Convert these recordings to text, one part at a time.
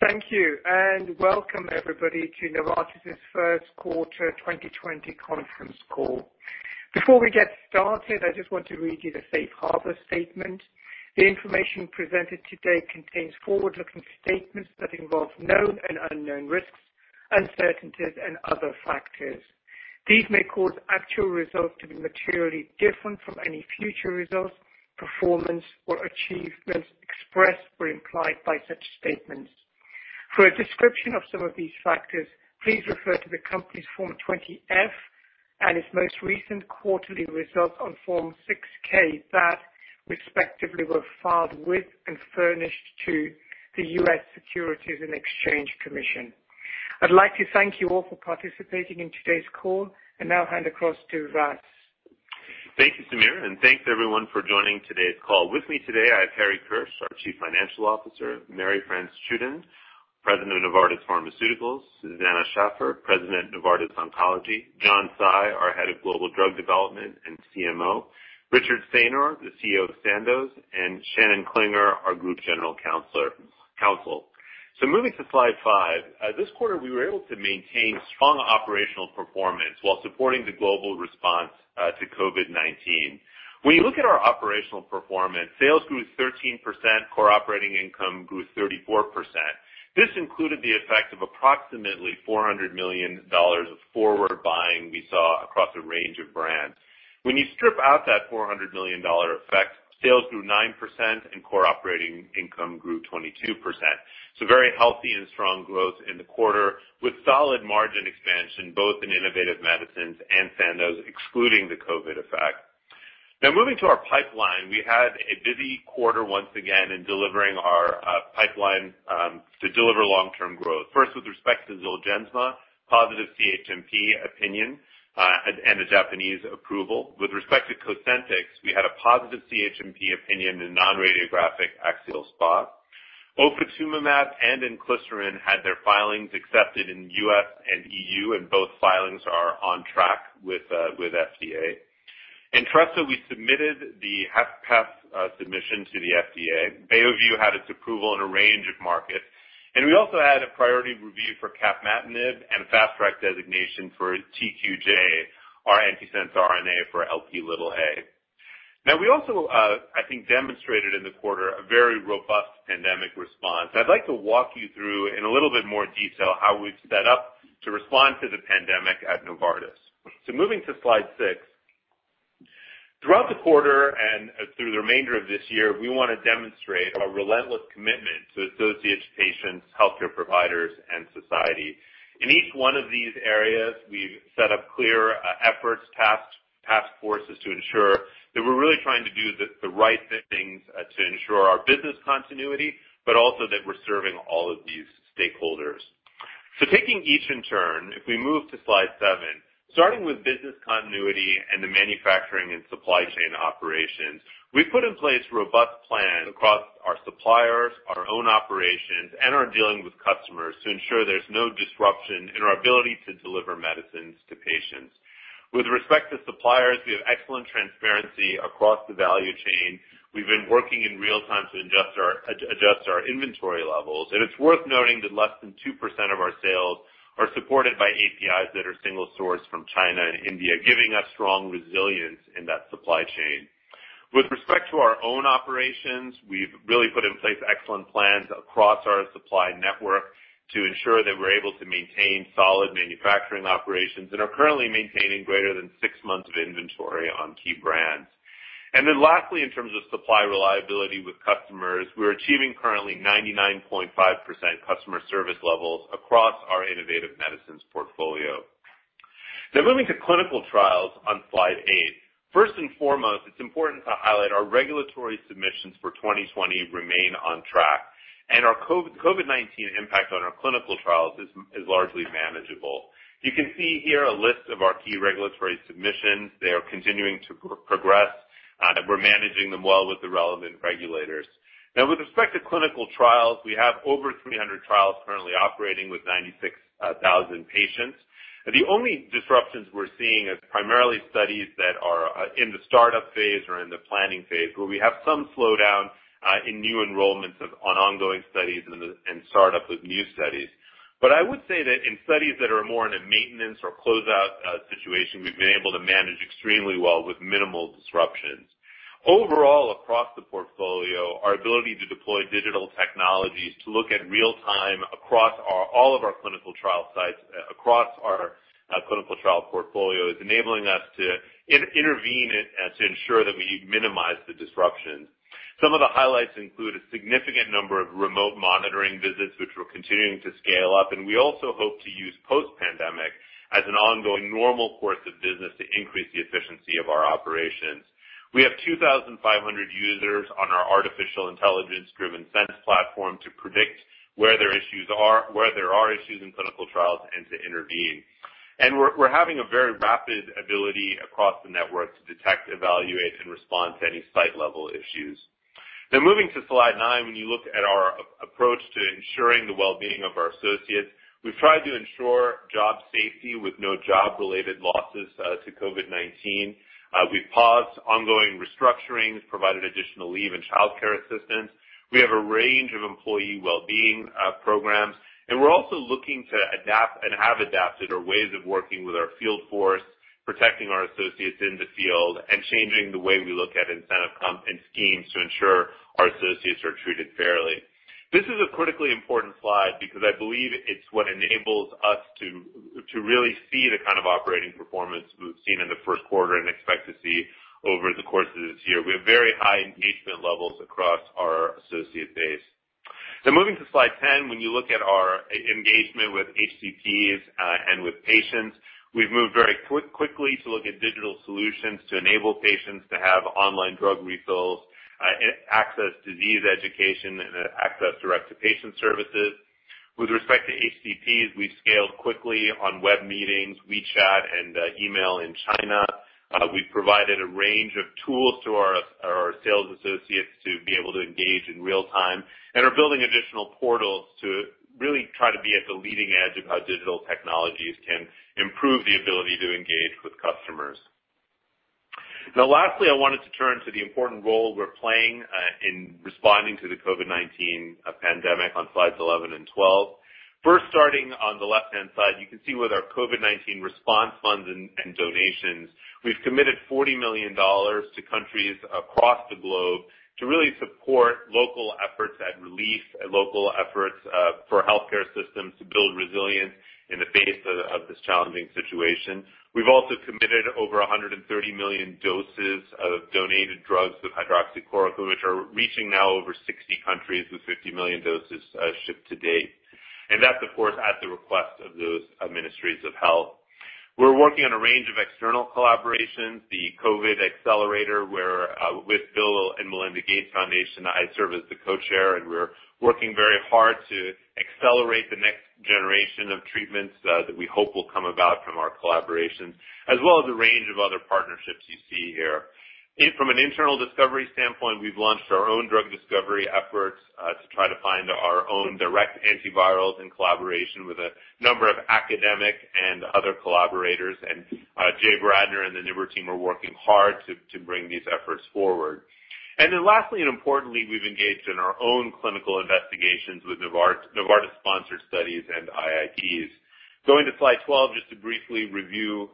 Thank you. Welcome everybody to Novartis' first quarter 2020 conference call. Before we get started, I just want to read you the safe harbor statement. The information presented today contains forward-looking statements that involve known and unknown risks, uncertainties and other factors. These may cause actual results to be materially different from any future results, performance or achievements expressed or implied by such statements. For a description of some of these factors, please refer to the company's Form 20-F and its most recent quarterly results on Form 6-K that respectively were filed with and furnished to the U.S. Securities and Exchange Commission. I'd like to thank you all for participating in today's call and now hand across to Vas. Thank you, Samir, and thanks everyone for joining today's call. With me today, I have Harry Kirsch, our Chief Financial Officer, Marie-France Tschudin, President of Novartis Pharmaceuticals, Susanne Schaffert, President Novartis Oncology, John Tsai, our Head of Global Drug Development and CMO, Richard Saynor, the CEO of Sandoz, and Shannon Klinger, our Group General Counsel. Moving to slide five. This quarter we were able to maintain strong operational performance while supporting the global response to COVID-19. When you look at our operational performance, sales grew 13%, core operating income grew 34%. This included the effect of approximately $400 million of forward buying we saw across a range of brands. When you strip out that $400 million effect, sales grew 9% and core operating income grew 22%. Very healthy and strong growth in the quarter with solid margin expansion both in Innovative Medicines and Sandoz excluding the COVID effect. Now moving to our pipeline. We had a busy quarter once again in delivering our pipeline to deliver long-term growth. First, with respect to Zolgensma, positive CHMP opinion, and a Japanese approval. With respect to COSENTYX, we had a positive CHMP opinion in non-radiographic axial SpA. ofatumumab and inclisiran had their filings accepted in the U.S. and EU, and both filings are on track with FDA. Entresto, we submitted the HFpEF submission to the FDA. Beovu had its approval in a range of markets, and we also had a priority review for capmatinib and a Fast Track designation for TQJ, our antisense RNA for Lp(a). Now we also, I think, demonstrated in the quarter a very robust pandemic response. I'd like to walk you through in a little bit more detail how we've set up to respond to the pandemic at Novartis. Moving to slide six. Throughout the quarter and through the remainder of this year, we want to demonstrate our relentless commitment to associates, patients, healthcare providers, and society. In each one of these areas, we've set up clear efforts, task forces to ensure that we're really trying to do the right things to ensure our business continuity, but also that we're serving all of these stakeholders. Taking each in turn, if we move to slide seven. Starting with business continuity and the manufacturing and supply chain operations, we put in place robust plans across our suppliers, our own operations, and are dealing with customers to ensure there's no disruption in our ability to deliver medicines to patients. With respect to suppliers, we have excellent transparency across the value chain. We've been working in real time to adjust our inventory levels, and it's worth noting that less than 2% of our sales are supported by APIs that are single sourced from China and India, giving us strong resilience in that supply chain. With respect to our own operations, we've really put in place excellent plans across our supply network to ensure that we're able to maintain solid manufacturing operations and are currently maintaining greater than six months of inventory on key brands. Lastly, in terms of supply reliability with customers, we're achieving currently 99.5% customer service levels across our Innovative Medicines portfolio. Now moving to clinical trials on slide eight. First and foremost, it's important to highlight our regulatory submissions for 2020 remain on track, and our COVID-19 impact on our clinical trials is largely manageable. You can see here a list of our key regulatory submissions. They are continuing to progress, and we're managing them well with the relevant regulators. With respect to clinical trials, we have over 300 trials currently operating with 96,000 patients. The only disruptions we're seeing is primarily studies that are in the startup phase or in the planning phase, where we have some slowdown in new enrollments of on ongoing studies and startup of new studies. I would say that in studies that are more in a maintenance or closeout situation, we've been able to manage extremely well with minimal disruptions. Overall, across the portfolio, our ability to deploy digital technologies to look in real time across all of our clinical trial sites, across our clinical trial portfolio is enabling us to intervene to ensure that we minimize the disruptions. Some of the highlights include a significant number of remote monitoring visits, which we're continuing to scale up. We also hope to use post-pandemic as an ongoing normal course of business to increase the efficiency of our operations. We have 2,500 users on our artificial intelligence-driven Sense platform to predict where there are issues in clinical trials and to intervene. We're having a very rapid ability across the network to detect, evaluate, and respond to any site-level issues. Moving to slide nine, when you look at our approach to ensuring the well-being of our associates, we've tried to ensure job safety with no job-related losses to COVID-19. We've paused ongoing restructurings, provided additional leave and childcare assistance. We have a range of employee well-being programs, and we're also looking to adapt and have adapted our ways of working with our field force, protecting our associates in the field, and changing the way we look at incentive comp and schemes to ensure our associates are treated fairly. This is a critically important slide because I believe it's what enables us to really see the kind of operating performance we've seen in the first quarter and expect to see over the course of this year. We have very high engagement levels across our associate base. Now moving to slide 10, when you look at our engagement with HCPs and with patients, we've moved very quickly to look at digital solutions to enable patients to have online drug refills, access disease education, and access direct-to-patient services. With respect to HCPs, we've scaled quickly on web meetings, WeChat, and email in China. Are building additional portals to really try to be at the leading edge of how digital technologies can improve the ability to engage with customers. Lastly, I wanted to turn to the important role we're playing in responding to the COVID-19 pandemic on slides 11 and 12. First, starting on the left-hand side, you can see with our COVID-19 response funds and donations, we've committed $40 million to countries across the globe to really support local efforts at relief and local efforts for healthcare systems to build resilience in the face of this challenging situation. We've also committed over 130 million doses of donated drugs of hydroxychloroquine, which are reaching now over 60 countries, with 50 million doses shipped to date. That's, of course, at the request of those ministries of health. We're working on a range of external collaborations. The COVID Accelerator with Bill & Melinda Gates Foundation, I serve as the co-chair, and we're working very hard to accelerate the next generation of treatments that we hope will come about from our collaborations, as well as a range of other partnerships you see here. From an internal discovery standpoint, we've launched our own drug discovery efforts to try to find our own direct antivirals in collaboration with a number of academic and other collaborators. Jay Bradner and the NIBR team are working hard to bring these efforts forward. Lastly and importantly, we've engaged in our own clinical investigations with Novartis-sponsored studies and IITs. Going to slide 12, just to briefly review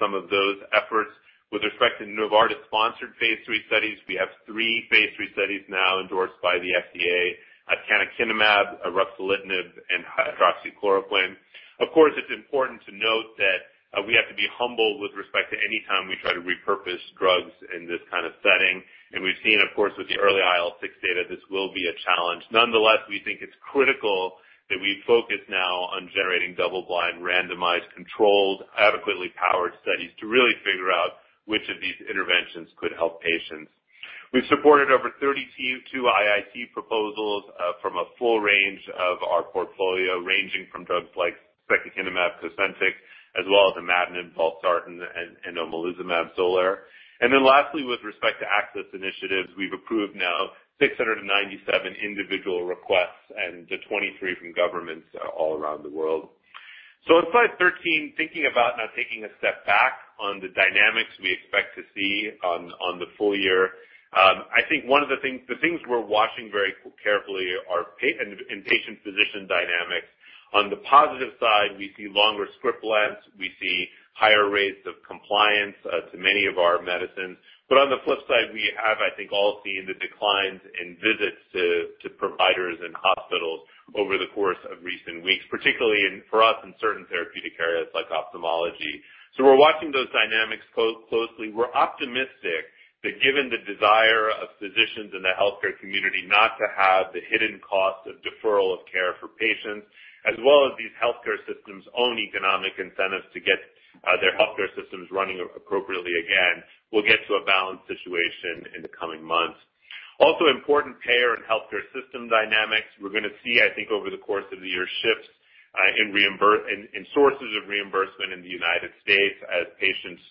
some of those efforts. With respect to Novartis-sponsored phase III studies, we have three phase III studies now endorsed by the FDA of canakinumab, ruxolitinib, and hydroxychloroquine. Of course, it's important to note that we have to be humble with respect to any time we try to repurpose drugs in this kind of setting. We've seen, of course, with the early IL-6 data, this will be a challenge. Nonetheless, we think it's critical that we focus now on generating double-blind randomized controlled, adequately powered studies to really figure out which of these interventions could help patients. We've supported over 32 IIT proposals from a full range of our portfolio, ranging from drugs like secukinumab, COSENTYX, as well as imatinib, valsartan, and omalizumab, XOLAIR. Lastly, with respect to access initiatives, we've approved now 697 individual requests and 23 from governments all around the world. On slide 13, thinking about now taking a step back on the dynamics we expect to see on the full year. I think one of the things we're watching very carefully are in-patient physician dynamics. On the positive side, we see longer script lengths. We see higher rates of compliance to many of our medicines. On the flip side, we have, I think, all seen the declines in visits to providers and hospitals over the course of recent weeks, particularly for us in certain therapeutic areas like Ophthalmology. We're watching those dynamics closely. We're optimistic that given the desire of physicians and the healthcare community not to have the hidden cost of deferral of care for patients, as well as these healthcare systems' own economic incentives to get their healthcare systems running appropriately again, we'll get to a balanced situation in the coming months. Also important payer and healthcare system dynamics. We're going to see, I think, over the course of the year, shifts in sources of reimbursement in the U.S. as patients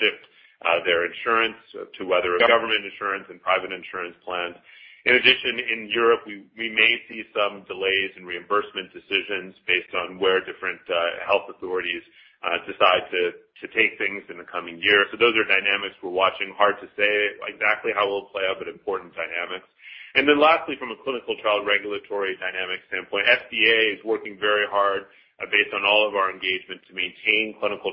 shift their insurance to other government insurance and private insurance plans. In addition, in Europe, we may see some delays in reimbursement decisions based on where different health authorities decide to take things in the coming year. Those are dynamics we're watching. Hard to say exactly how it will play out, important dynamics. Lastly, from a clinical trial regulatory dynamic standpoint, FDA is working very hard based on all of our engagement to maintain clinical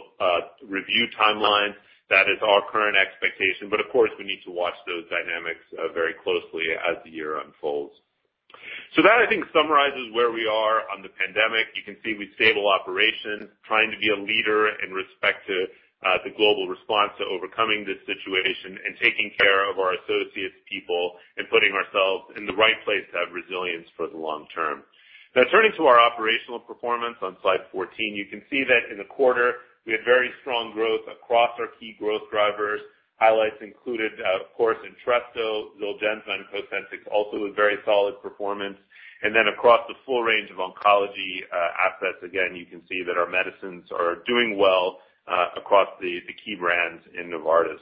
review timelines. That is our current expectation. Of course, we need to watch those dynamics very closely as the year unfolds. That, I think, summarizes where we are on the pandemic. You can see with stable operations, trying to be a leader in respect to the global response to overcoming this situation and taking care of our associates, people, and putting ourselves in the right place to have resilience for the long term. Turning to our operational performance on slide 14. You can see that in the quarter, we had very strong growth across our key growth drivers. Highlights included, of course, Entresto, Zolgensma, and COSENTYX also with very solid performance. Across the full range of oncology assets, again, you can see that our medicines are doing well across the key brands in Novartis.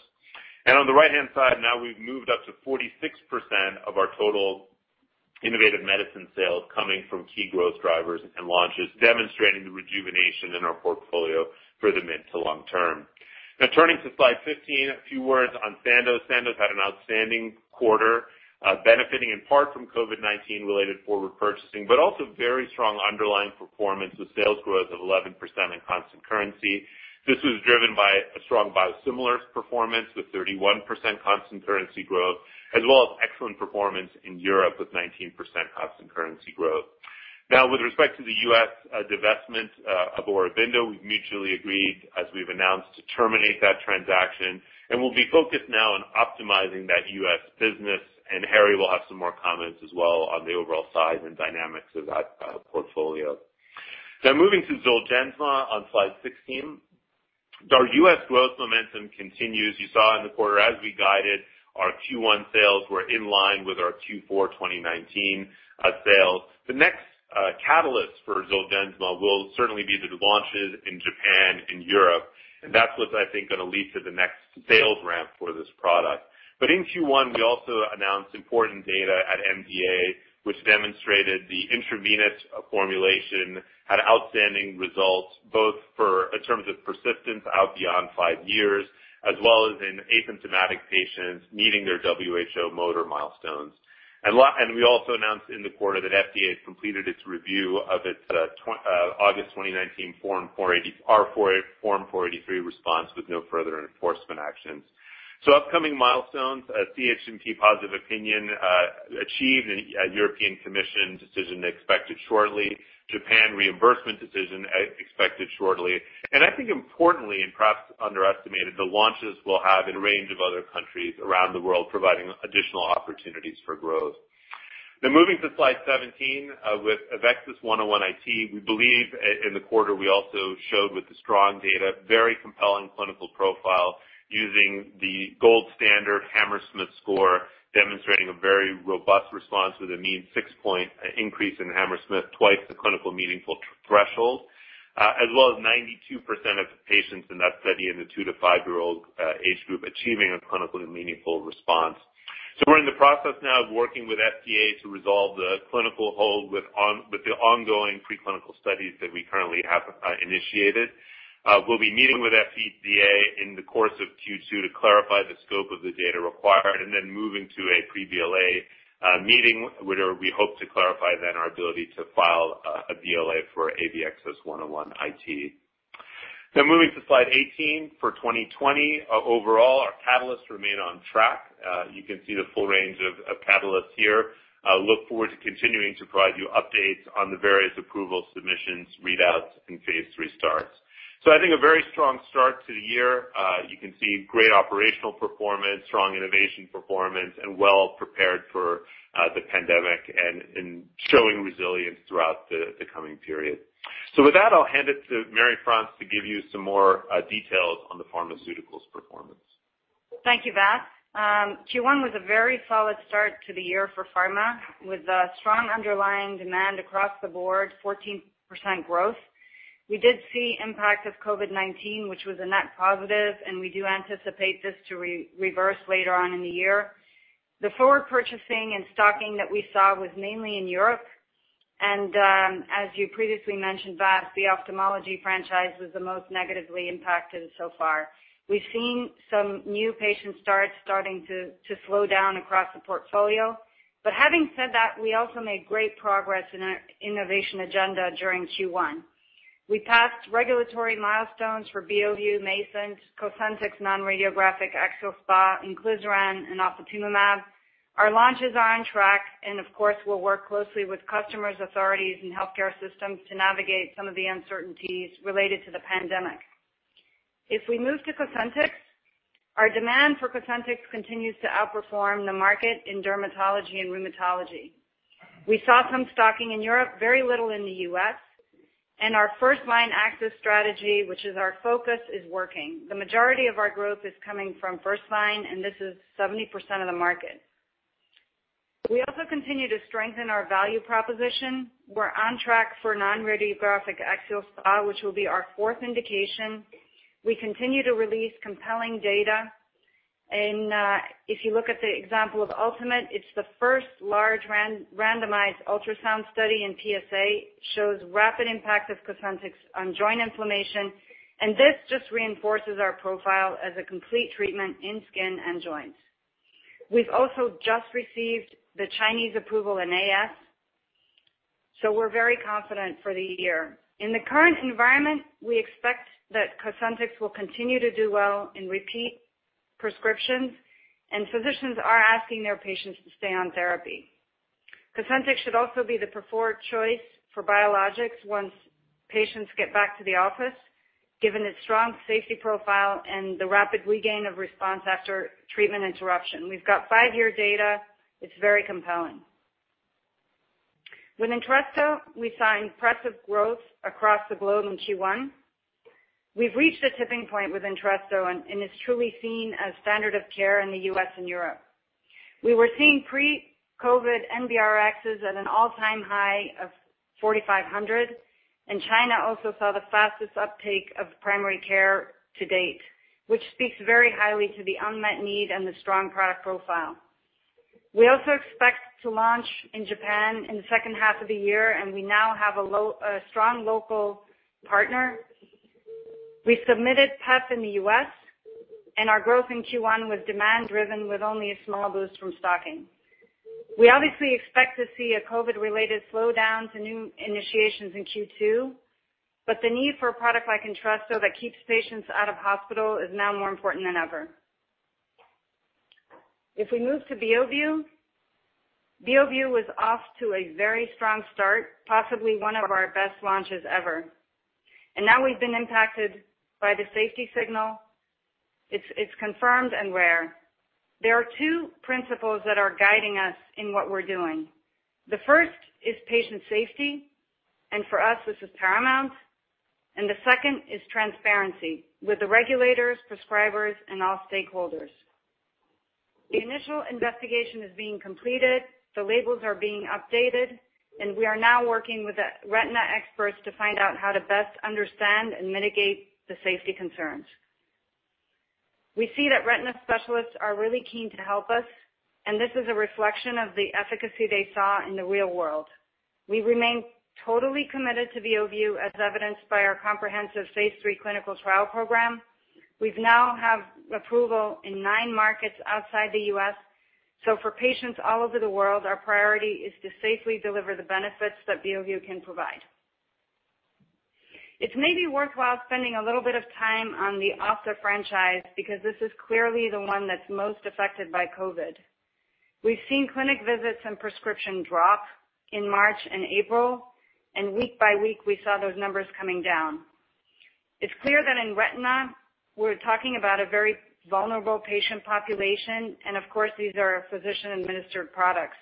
On the right-hand side, we've moved up to 46% of our total Innovative Medicines sales coming from key growth drivers and launches, demonstrating the rejuvenation in our portfolio for the mid to long term. Turning to slide 15, a few words on Sandoz. Sandoz had an outstanding quarter, benefiting in part from COVID-19 related forward purchasing, but also very strong underlying performance, with sales growth of 11% in constant currency. This was driven by a strong biosimilars performance with 31% constant currency growth, as well as excellent performance in Europe with 19% constant currency growth. With respect to the U.S. divestment of Aurobindo, we've mutually agreed, as we've announced, to terminate that transaction, and we'll be focused now on optimizing that U.S. business, and Harry will have some more comments as well on the overall size and dynamics of that portfolio. Moving to Zolgensma on slide 16. Our U.S. growth momentum continues. You saw in the quarter as we guided, our Q1 sales were in line with our Q4 2019 sales. The next catalyst for Zolgensma will certainly be the launches in Japan and Europe, and that's what I think going to lead to the next sales ramp for this product. In Q1, we also announced important data at MDA, which demonstrated the intravenous formulation had outstanding results, both for in terms of persistence out beyond five years, as well as in asymptomatic patients meeting their WHO motor milestones. We also announced in the quarter that FDA completed its review of its August 2019 Form 483 response with no further enforcement actions. Upcoming milestones, a CHMP positive opinion achieved, a European Commission decision expected shortly, Japan reimbursement decision expected shortly, and I think importantly and perhaps underestimated, the launches we'll have in a range of other countries around the world, providing additional opportunities for growth. Moving to slide 17, with AVXS-101 IT, we believe in the quarter we also showed with the strong data very compelling clinical profile using the gold standard Hammersmith score, demonstrating a very robust response with a mean six-point increase in Hammersmith, twice the clinical meaningful threshold, as well as 92% of the patients in that study in the two to five-year-old age group achieving a clinically meaningful response. We're in the process now of working with FDA to resolve the clinical hold with the ongoing preclinical studies that we currently have initiated. We'll be meeting with FDA in the course of Q2 to clarify the scope of the data required, and then moving to a pre-BLA meeting where we hope to clarify then our ability to file a BLA for AVXS-101 IT. Moving to slide 18 for 2020. Overall, our catalysts remain on track. You can see the full range of catalysts here. Look forward to continuing to provide you updates on the various approval submissions, readouts, and phase restarts. I think a very strong start to the year. You can see great operational performance, strong innovation performance, and well prepared for the pandemic and showing resilience throughout the coming period. With that, I'll hand it to Marie-France Tschudin to give you some more details on the Pharmaceuticals performance. Thank you, Vas. Q1 was a very solid start to the year for pharma, with a strong underlying demand across the board, 14% growth. We did see impact of COVID-19, which was a net positive. We do anticipate this to reverse later on in the year. The forward purchasing and stocking that we saw was mainly in Europe. As you previously mentioned, Vas, the Ophthalmology franchise was the most negatively impacted so far. We've seen some new patient starts starting to slow down across the portfolio. Having said that, we also made great progress in our innovation agenda during Q1. We passed regulatory milestones for Beovu, MAYZENT, COSENTYX non-radiographic axial SpA, inclisiran, and ofatumumab. Our launches are on track. Of course, we'll work closely with customers, authorities, and healthcare systems to navigate some of the uncertainties related to the pandemic. We move to COSENTYX, our demand for COSENTYX continues to outperform the market in dermatology and rheumatology. We saw some stocking in Europe, very little in the U.S., our first-line access strategy, which is our focus, is working. The majority of our growth is coming from first line, this is 70% of the market. We also continue to strengthen our value proposition. We're on track for non-radiographic axial SpA, which will be our fourth indication. We continue to release compelling data, if you look at the example of ULTIMATE, it's the first large randomized ultrasound study in PsA, shows rapid impact of COSENTYX on joint inflammation, and this just reinforces our profile as a complete treatment in skin and joints. We've also just received the Chinese approval in AS, we're very confident for the year. In the current environment, we expect that COSENTYX will continue to do well in repeat prescriptions. Physicians are asking their patients to stay on therapy. COSENTYX should also be the preferred choice for biologics once patients get back to the office, given its strong safety profile and the rapid regain of response after treatment interruption. We've got five-year data. It's very compelling. With Entresto, we saw impressive growth across the globe in Q1. We've reached a tipping point with Entresto. It's truly seen as standard of care in the U.S. and Europe. We were seeing pre-COVID NBRx at an all-time high of 4,500. China also saw the fastest uptake of primary care to date, which speaks very highly to the unmet need and the strong product profile. We also expect to launch in Japan in the second half of the year, and we now have a strong local partner. We submitted PEF in the U.S., and our growth in Q1 was demand-driven with only a small boost from stocking. We obviously expect to see a COVID-related slowdown to new initiations in Q2, but the need for a product like Entresto that keeps patients out of hospital is now more important than ever. If we move to Beovu was off to a very strong start, possibly one of our best launches ever. Now we've been impacted by the safety signal. It's confirmed and rare. There are two principles that are guiding us in what we're doing. The first is patient safety, and for us, this is paramount. The second is transparency with the regulators, prescribers, and all stakeholders. The initial investigation is being completed, the labels are being updated, and we are now working with the retina experts to find out how to best understand and mitigate the safety concerns. We see that retina specialists are really keen to help us, and this is a reflection of the efficacy they saw in the real world. We remain totally committed to Beovu, as evidenced by our comprehensive phase III clinical trial program. We now have approval in nine markets outside the U.S. For patients all over the world, our priority is to safely deliver the benefits that Beovu can provide. It's maybe worthwhile spending a little bit of time on the Ophthalmology franchise, because this is clearly the one that's most affected by COVID. We've seen clinic visits and prescription drop in March and April, and week by week, we saw those numbers coming down. It's clear that in retina, we are talking about a very vulnerable patient population, and of course, these are physician-administered products.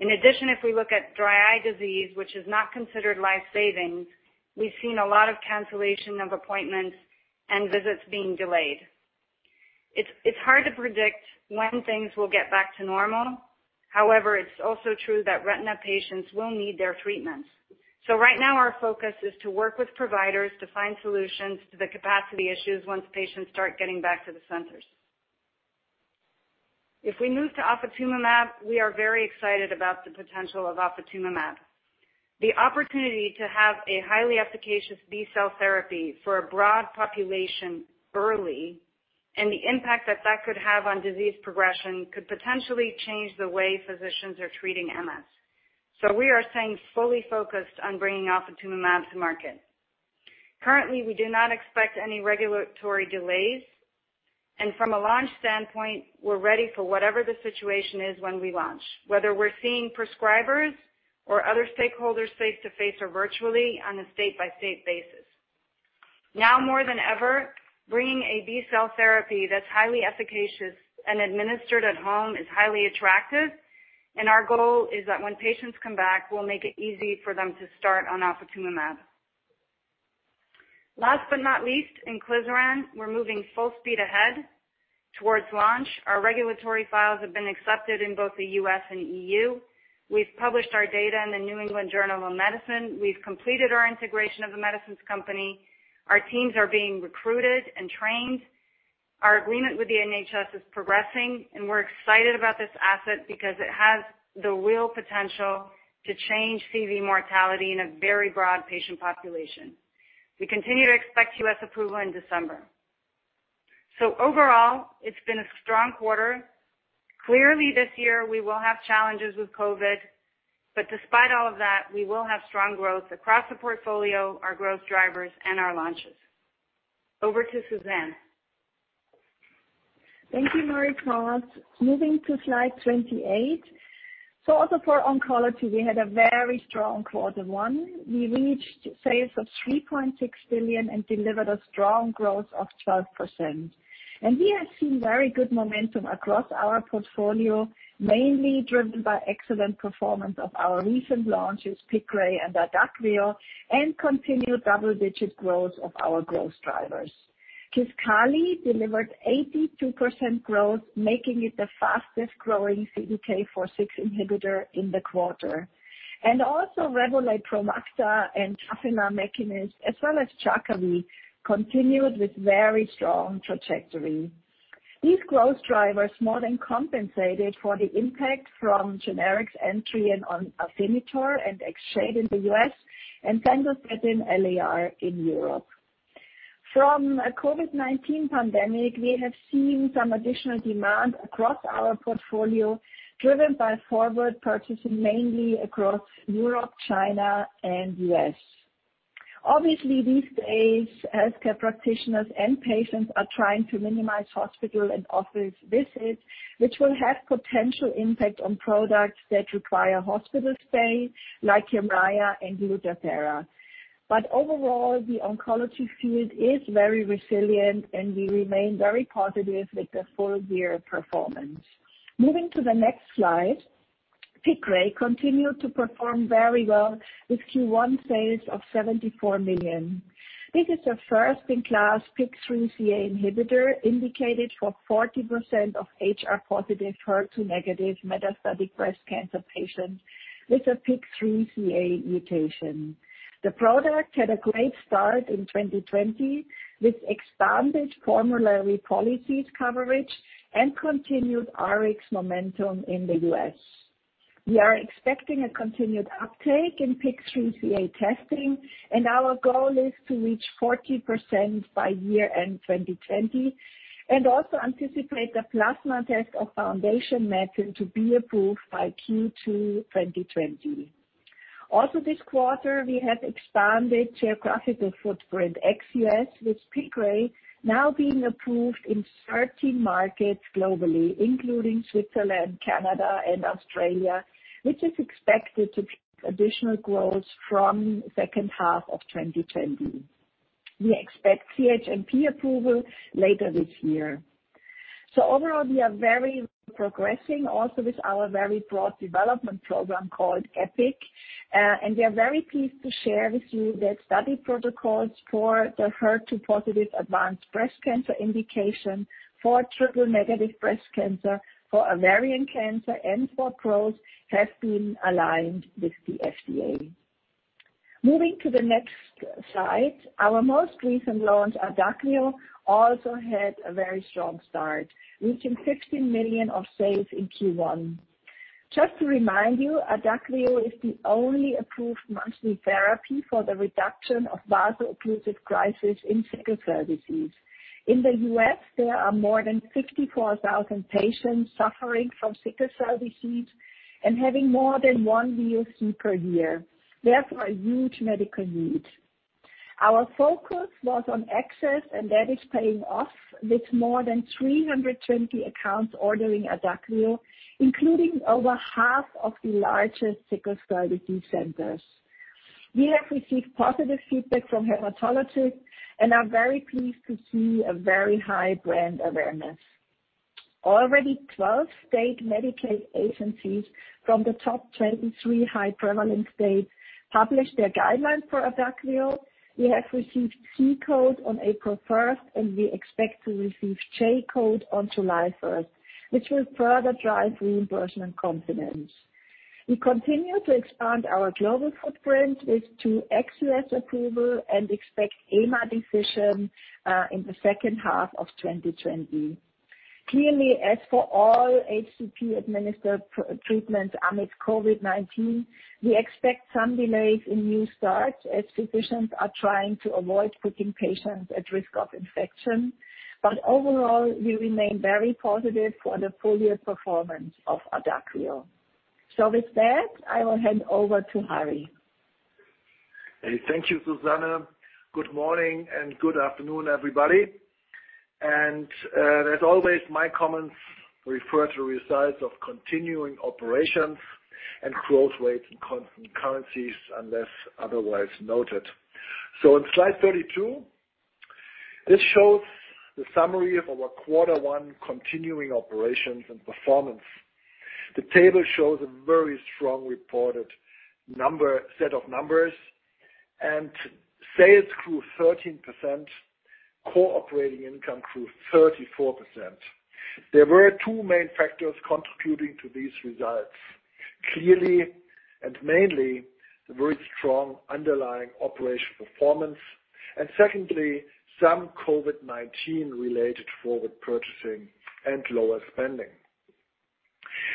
In addition, if we look at dry eye disease, which is not considered life-saving, we have seen a lot of cancellation of appointments and visits being delayed. It is hard to predict when things will get back to normal. However, it is also true that retina patients will need their treatments. Right now, our focus is to work with providers to find solutions to the capacity issues once patients start getting back to the centers. If we move to ofatumumab, we are very excited about the potential of ofatumumab. The opportunity to have a highly efficacious B-cell therapy for a broad population early, and the impact that that could have on disease progression, could potentially change the way physicians are treating MS. We are staying fully focused on bringing ofatumumab to market. Currently, we do not expect any regulatory delays. From a launch standpoint, we're ready for whatever the situation is when we launch, whether we're seeing prescribers or other stakeholders face-to-face or virtually on a state-by-state basis. Now more than ever, bringing a B-cell therapy that's highly efficacious and administered at home is highly attractive, and our goal is that when patients come back, we'll make it easy for them to start on ofatumumab. Last but not least, inclisiran. We're moving full speed ahead towards launch. Our regulatory files have been accepted in both the U.S. and EU. We've published our data in The New England Journal of Medicine. We've completed our integration of The Medicines Company. Our teams are being recruited and trained. Our agreement with the NHS is progressing, and we're excited about this asset because it has the real potential to change CV mortality in a very broad patient population. We continue to expect U.S. approval in December. Overall, it's been a strong quarter. Clearly this year, we will have challenges with COVID, but despite all of that, we will have strong growth across the portfolio, our growth drivers, and our launches. Over to Susanne. Thank you, Marie-France. Moving to slide 28. Also for oncology, we had a very strong quarter one. We reached sales of $3.6 billion and delivered a strong growth of 12%. We have seen very good momentum across our portfolio, mainly driven by excellent performance of our recent launches, Piqray and Irdacchio, and continued double-digit growth of our growth drivers. Kisqali delivered 82% growth, making it the fastest-growing CDK4/6 inhibitor in the quarter. Also, Revolade, Promacta, and Tafinlar Mekinist, as well as Jakavi, continued with very strong trajectory. These growth drivers more than compensated for the impact from generics entry on Afinitor and Exjade in the U.S., and Sandostatin LAR in Europe. From a COVID-19 pandemic, we have seen some additional demand across our portfolio, driven by forward purchasing mainly across Europe, China, and U.S. Obviously, these days, healthcare practitioners and patients are trying to minimize hospital and office visits, which will have potential impact on products that require hospital stay, like Kymriah and Lutathera. Overall, the oncology field is very resilient, and we remain very positive with the full-year performance. Moving to the next slide. Piqray continued to perform very well with Q1 sales of $74 million. This is a first-in-class PIK3CA inhibitor indicated for 40% of HR-positive, HER2-negative metastatic breast cancer patients with a PIK3CA mutation. The product had a great start in 2020 with expanded formulary policies coverage and continued Rx momentum in the U.S. We are expecting a continued uptake in PIK3CA testing, and our goal is to reach 40% by year-end 2020, and also anticipate the plasma test of Foundation Medicine to be approved by Q2 2020. This quarter, we have expanded geographical footprint ex-U.S. with Piqray now being approved in 13 markets globally, including Switzerland, Canada and Australia, which is expected to additional growth from second half of 2020. We expect CHMP approval later this year. Overall, we are very progressing also with our very broad development program called EPIK. We are very pleased to share with you that study protocols for the HER2-positive advanced breast cancer indication for triple-negative breast cancer, for ovarian cancer and for growth have been aligned with the FDA. Moving to the next slide. Our most recent launch, Adakveo, also had a very strong start, reaching $16 million of sales in Q1. Just to remind you, Adakveo is the only approved monthly therapy for the reduction of vaso-occlusive crisis in sickle cell disease. In the U.S., there are more than 64,000 patients suffering from sickle cell disease and having more than one VOC per year. A huge medical need. Our focus was on access, and that is paying off with more than 320 accounts ordering Adakveo, including over half of the largest sickle cell disease centers. We have received positive feedback from hematologists and are very pleased to see a very high brand awareness. Already 12 state Medicaid agencies from the top 23 high-prevalence states published their guidelines for Adakveo. We have received C code on April 1st, and we expect to receive J code on July 1st, which will further drive reimbursement confidence. We continue to expand our global footprint with two ex-U.S. approval and expect EMA decision in the second half of 2020. Clearly, as for all HCP-administered treatments amid COVID-19, we expect some delays in new starts as physicians are trying to avoid putting patients at risk of infection. Overall, we remain very positive for the full-year performance of Adakveo. With that, I will hand over to Harry. Thank you, Susanne. Good morning and good afternoon, everybody. As always, my comments refer to results of continuing operations and growth rates in constant currencies unless otherwise noted. On slide 32, this shows the summary of our quarter one continuing operations and performance. The table shows a very strong reported set of numbers. Sales grew 13%, core operating income grew 34%. There were two main factors contributing to these results. Clearly and mainly, the very strong underlying operational performance, and secondly, some COVID-19 related forward purchasing and lower spending.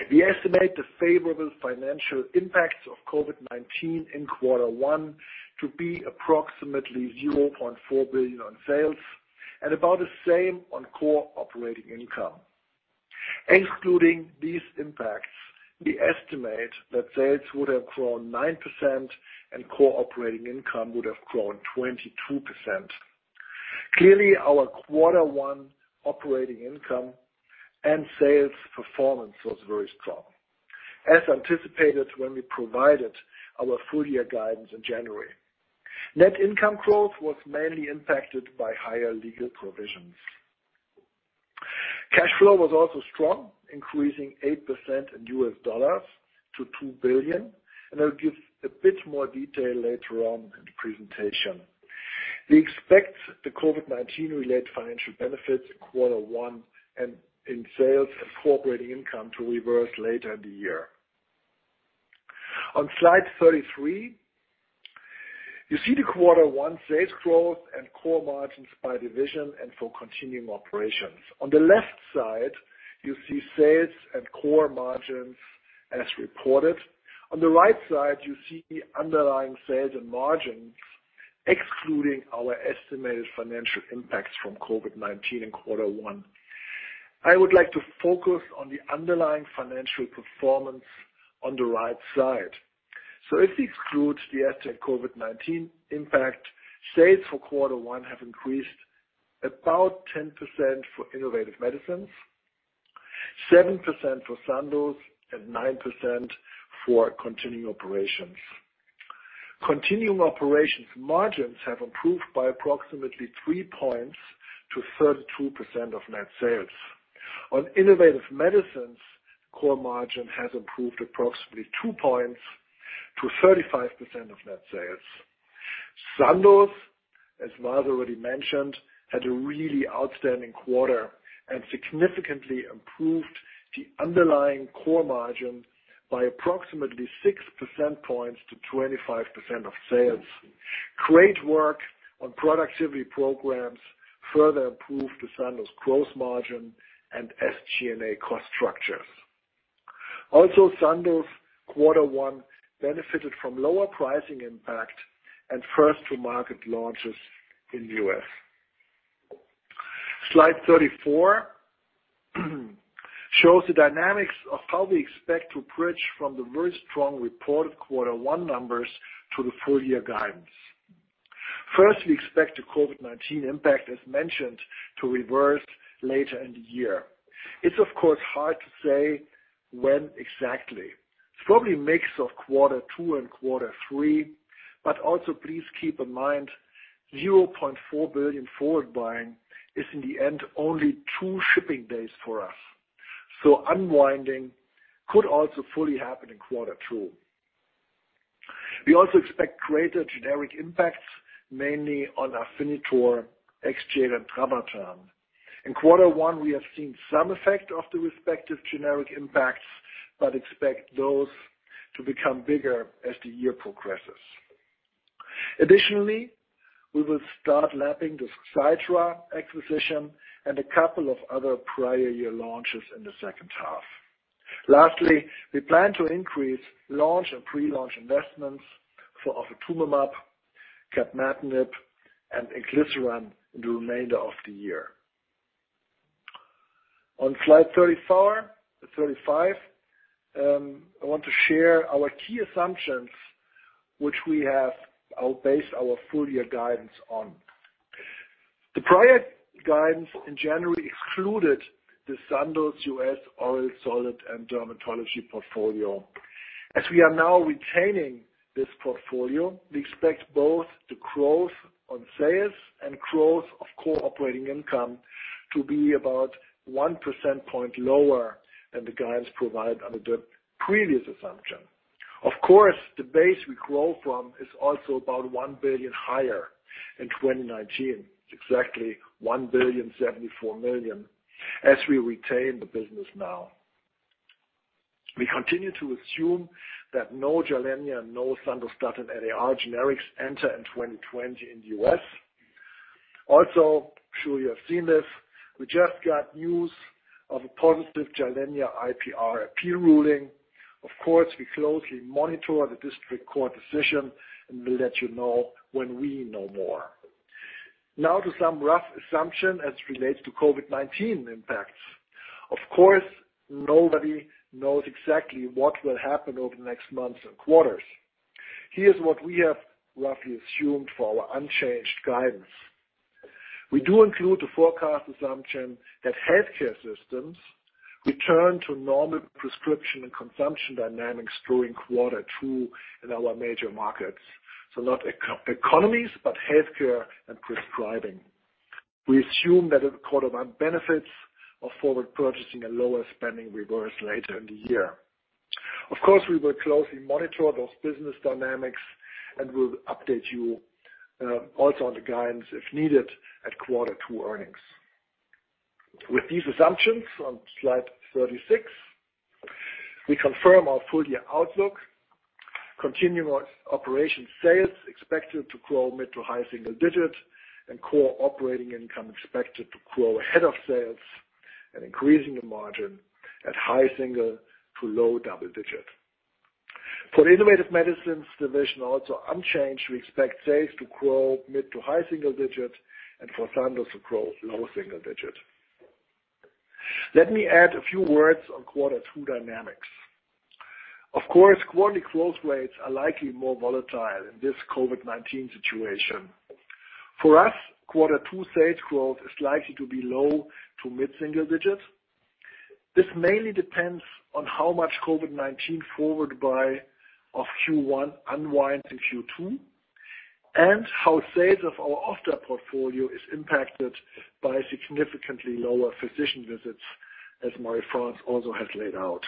We estimate the favorable financial impacts of COVID-19 in quarter one to be approximately $0.4 billion on sales and about the same on core operating income. Excluding these impacts, we estimate that sales would have grown 9% and core operating income would have grown 22%. Clearly, our quarter one operating income and sales performance was very strong, as anticipated when we provided our full-year guidance in January. Net income growth was mainly impacted by higher legal provisions. Cash flow was also strong, increasing 8% in US dollars to $2 billion, and I'll give a bit more detail later on in the presentation. We expect the COVID-19-related financial benefits in quarter one and in sales and core operating income to reverse later in the year. On slide 33, you see the quarter one sales growth and core margins by division and for continuing operations. On the left side, you see sales and core margins as reported. On the right side, you see underlying sales and margins excluding our estimated financial impacts from COVID-19 in quarter one. I would like to focus on the underlying financial performance on the right side. If we exclude the estimated COVID-19 impact, sales for quarter one have increased about 10% for Innovative Medicines, 7% for Sandoz, and 9% for continuing operations. Continuing operations margins have improved by approximately three points to 32% of net sales. On Innovative Medicines, core margin has improved approximately two points to 35% of net sales. Sandoz, as Vas already mentioned, had a really outstanding quarter and significantly improved the underlying core margin by approximately 6% points to 25% of sales. Great work on productivity programs further improved the Sandoz gross margin and SG&A cost structures. Sandoz quarter one benefited from lower pricing impact and first two market launches in the U.S. Slide 34 shows the dynamics of how we expect to bridge from the very strong reported quarter one numbers to the full year guidance. We expect the COVID-19 impact, as mentioned, to reverse later in the year. It's of course hard to say when exactly. It's probably a mix of quarter two and quarter three, but also please keep in mind, $0.4 billion forward buying is in the end only two shipping days for us. Unwinding could also fully happen in quarter two. We also expect greater generic impacts, mainly on Afinitor, Exjade, and Travatan. In quarter one, we have seen some effect of the respective generic impacts, but expect those to become bigger as the year progresses. Additionally, we will start lapping the Xiidra acquisition and a couple of other prior year launches in the second half. Lastly, we plan to increase launch and pre-launch investments for ofatumumab, capmatinib, and ligelizumab in the remainder of the year. On slide 35, I want to share our key assumptions which we have based our full year guidance on. The prior guidance in January excluded the Sandoz U.S. oral solid and dermatology portfolio. As we are now retaining this portfolio, we expect both the growth on sales and growth of core operating income to be about 1% point lower than the guidance provided under the previous assumption. Of course, the base we grow from is also about $1 billion higher in 2019. It's exactly $1.074 billion as we retain the business now. We continue to assume that no Gilenya and no Sandostatin LAR generics enter in 2020 in the U.S. Also, I'm sure you have seen this, we just got news of a positive Gilenya IPR appeal ruling. Of course, we closely monitor the district court decision and will let you know when we know more. Now to some rough assumption as it relates to COVID-19 impacts. Of course, nobody knows exactly what will happen over the next months and quarters. Here's what we have roughly assumed for our unchanged guidance. We do include the forecast assumption that healthcare systems return to normal prescription and consumption dynamics during quarter two in our major markets. Not economies, but healthcare and prescribing. We assume that the quarter one benefits of forward purchasing and lower spending reverse later in the year. We will closely monitor those business dynamics and will update you also on the guidance if needed at quarter two earnings. With these assumptions on slide 36, we confirm our full year outlook. Continuing operations sales expected to grow mid to high single digit and core operating income expected to grow ahead of sales and increasing the margin at high single to low double digit. For the Innovative Medicines division, also unchanged, we expect sales to grow mid to high single digit and for Sandoz to grow low single digit. Let me add a few words on quarter two dynamics. Of course, quarterly growth rates are likely more volatile in this COVID-19 situation. For us, quarter two sales growth is likely to be low to mid single digit. This mainly depends on how much COVID-19 forward buy of Q1 unwinds in Q2 and how sales of our Ophthalmology portfolio is impacted by significantly lower physician visits, as Marie-France also has laid out.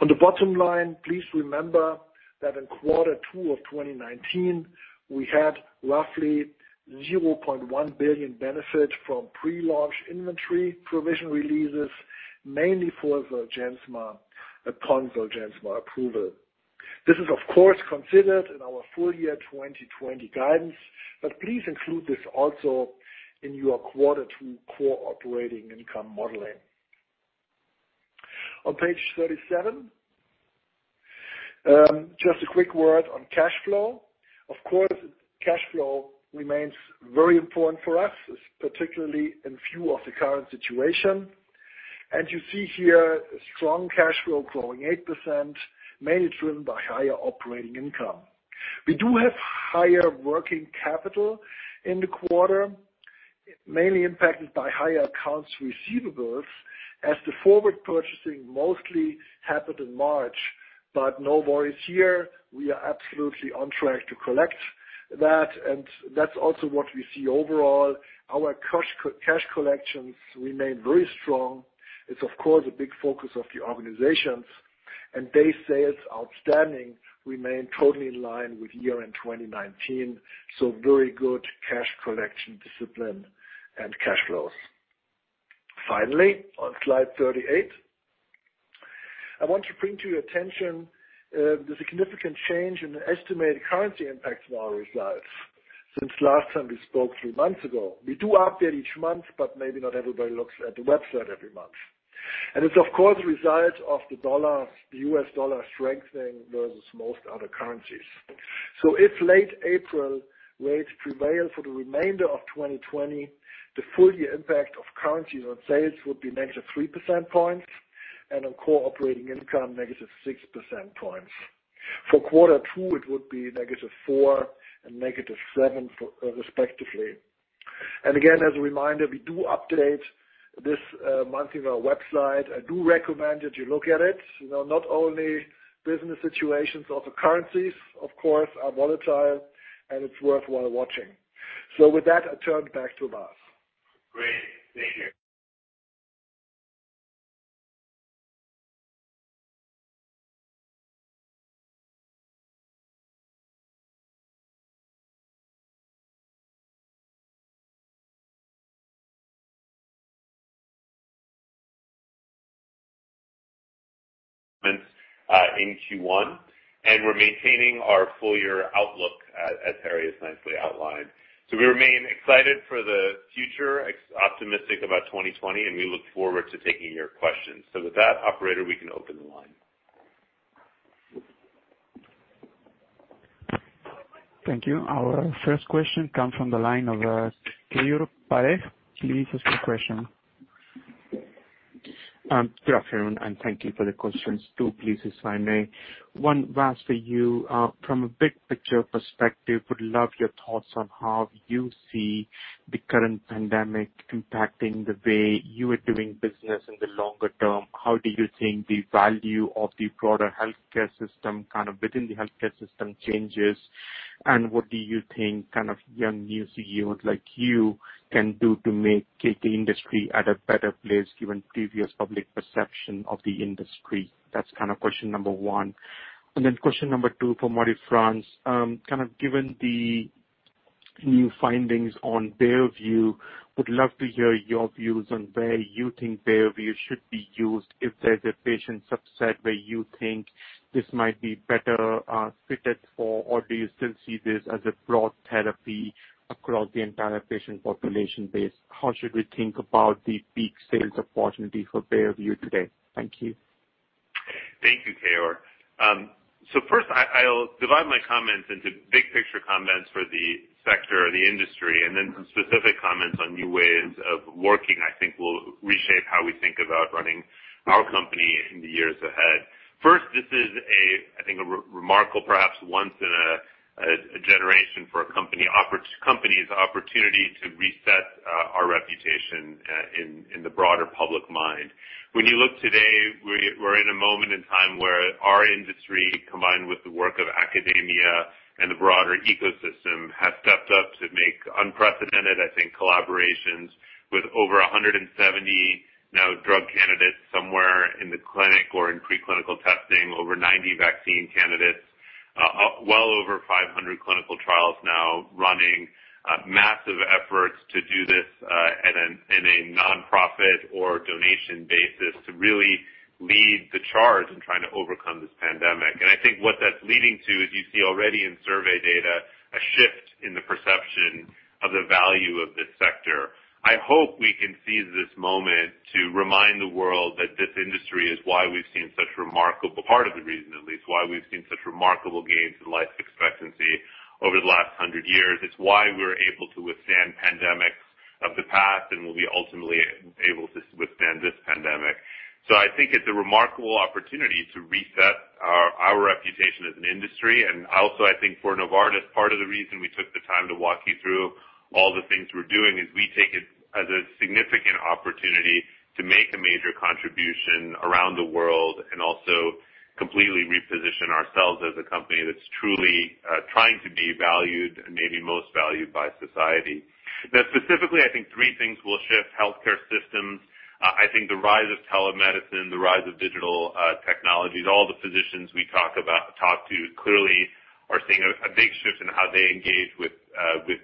On the bottom line, please remember that in quarter two of 2019, we had roughly 0.1 billion benefit from pre-launch inventory provision releases, mainly for Zolgensma upon Zolgensma approval. This is of course, considered in our full year 2020 guidance, but please include this also in your quarter two core operating income modeling. On page 37, just a quick word on cash flow. Of course, cash flow remains very important for us, particularly in view of the current situation. You see here a strong cash flow growing 8%, mainly driven by higher operating income. We do have higher working capital in the quarter. Mainly impacted by higher accounts receivables as the forward purchasing mostly happened in March. No worries here, we are absolutely on track to collect that, and that's also what we see overall. Our cash collections remain very strong. It's of course a big focus of the organizations, and day sales outstanding remain totally in line with year-end 2019, so very good cash collection discipline and cash flows. Finally, on slide 38, I want to bring to your attention the significant change in the estimated currency impacts on our results since last time we spoke three months ago. We do update each month. Maybe not everybody looks at the website every month. It's, of course, a result of the U.S. dollar strengthening versus most other currencies. If late April rates prevail for the remainder of 2020, the full year impact of currencies on sales would be negative 3% points and on core operating income -6% points. For quarter two, it would be negative four and negative seven respectively. Again, as a reminder, we do update this monthly on our website. I do recommend that you look at it. Not only business situations, also currencies, of course, are volatile and it's worthwhile watching. With that, I turn it back to Vas. Great. Thank you. In Q1, we're maintaining our full-year outlook as Harry has nicely outlined. We remain excited for the future, optimistic about 2020, and we look forward to taking your questions. With that, operator, we can open the line. Thank you. Our first question comes from the line of Keyur Parekh. Keyur, for your question. Good afternoon and thank you for the questions too please if I may. One Vas for you. From a big-picture perspective, would love your thoughts on how you see the current pandemic impacting the way you are doing business in the longer term. How do you think the value of the broader healthcare system kind of within the healthcare system changes? What do you think kind of young new CEOs like you can do to make the industry at a better place given previous public perception of the industry? That's kind of question number one. Question number two for Marie-France Tschudin. Kind of given the new findings on Beovu, would love to hear your views on where you think Beovu should be used if there's a patient subset where you think this might be better suited for or do you still see this as a broad therapy across the entire patient population base? How should we think about the peak sales opportunity for Beovu today? Thank you. Thank you, Keyur. First I'll divide my comments into big-picture comments for the sector or the industry, and then some specific comments on new ways of working, I think will reshape how we think about running our company in the years ahead. First, this is a, I think, a remarkable perhaps once in a generation for a company's opportunity to reset our reputation in the broader public mind. When you look today, we're in a moment in time where our industry, combined with the work of academia and the broader ecosystem, has stepped up to make unprecedented, I think, collaborations with over 170 now drug candidates somewhere in the clinic or in preclinical testing, over 90 vaccine candidates, well over 500 clinical trials now running massive efforts to do this in a nonprofit or donation basis to really lead the charge in trying to overcome this pandemic. I think what that's leading to is you see already in survey data a shift in the perception of the value of this sector. I hope we can seize this moment to remind the world that this industry is why we've seen such remarkable, part of the reason at least why we've seen such remarkable gains in life expectancy over the last 100 years. It's why we're able to withstand pandemics of the past and will be ultimately able to withstand this pandemic. I think it's a remarkable opportunity to reset our reputation as an industry. Also, I think for Novartis, part of the reason we took the time to walk you through all the things we're doing is we take it as a significant opportunity to make a major contribution around the world and also completely reposition ourselves as a company that's truly trying to be valued and maybe most valued by society. Specifically, I think three things will shift healthcare systems. I think the rise of telemedicine, the rise of digital technologies, all the physicians we talk to clearly are seeing a big shift in how they engage with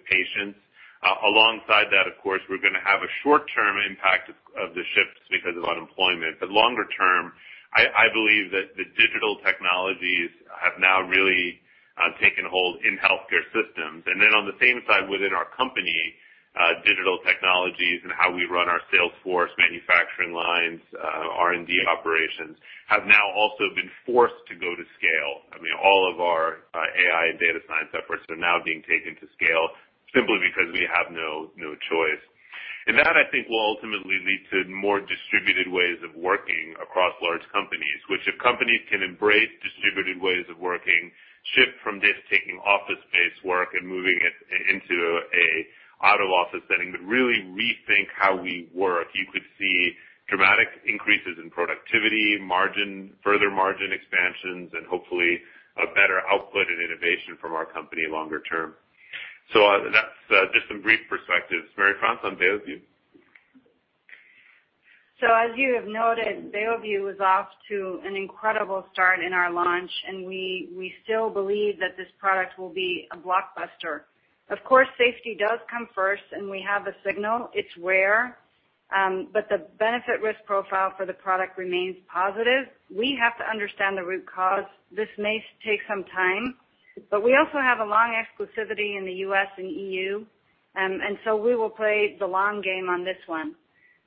patients. Alongside that, of course, we're going to have a short-term impact of the shifts because of unemployment. Longer term, I believe that the digital technologies have now really taken hold in healthcare systems. Then on the same side within our company, digital technologies and how we run our sales force, manufacturing lines, R&D operations have now also been forced to go to scale. I mean, all of our AI and data science efforts are now being taken to scale simply because we have no choice. That, I think, will ultimately lead to more distributed ways of working across large companies. If companies can embrace distributed ways of working, shift from this taking office space work and moving it into an out of office setting, but really rethink how we work, you could see dramatic increases in productivity, further margin expansions, and hopefully a better output in innovation from our company longer term. That's just some brief perspectives. Marie-France on Beovu. As you have noted, Beovu is off to an incredible start in our launch, and we still believe that this product will be a blockbuster. Of course, safety does come first and we have a signal. It's rare, the benefit risk profile for the product remains positive. We have to understand the root cause. This may take some time, we also have a long exclusivity in the U.S. and EU. We will play the long game on this one.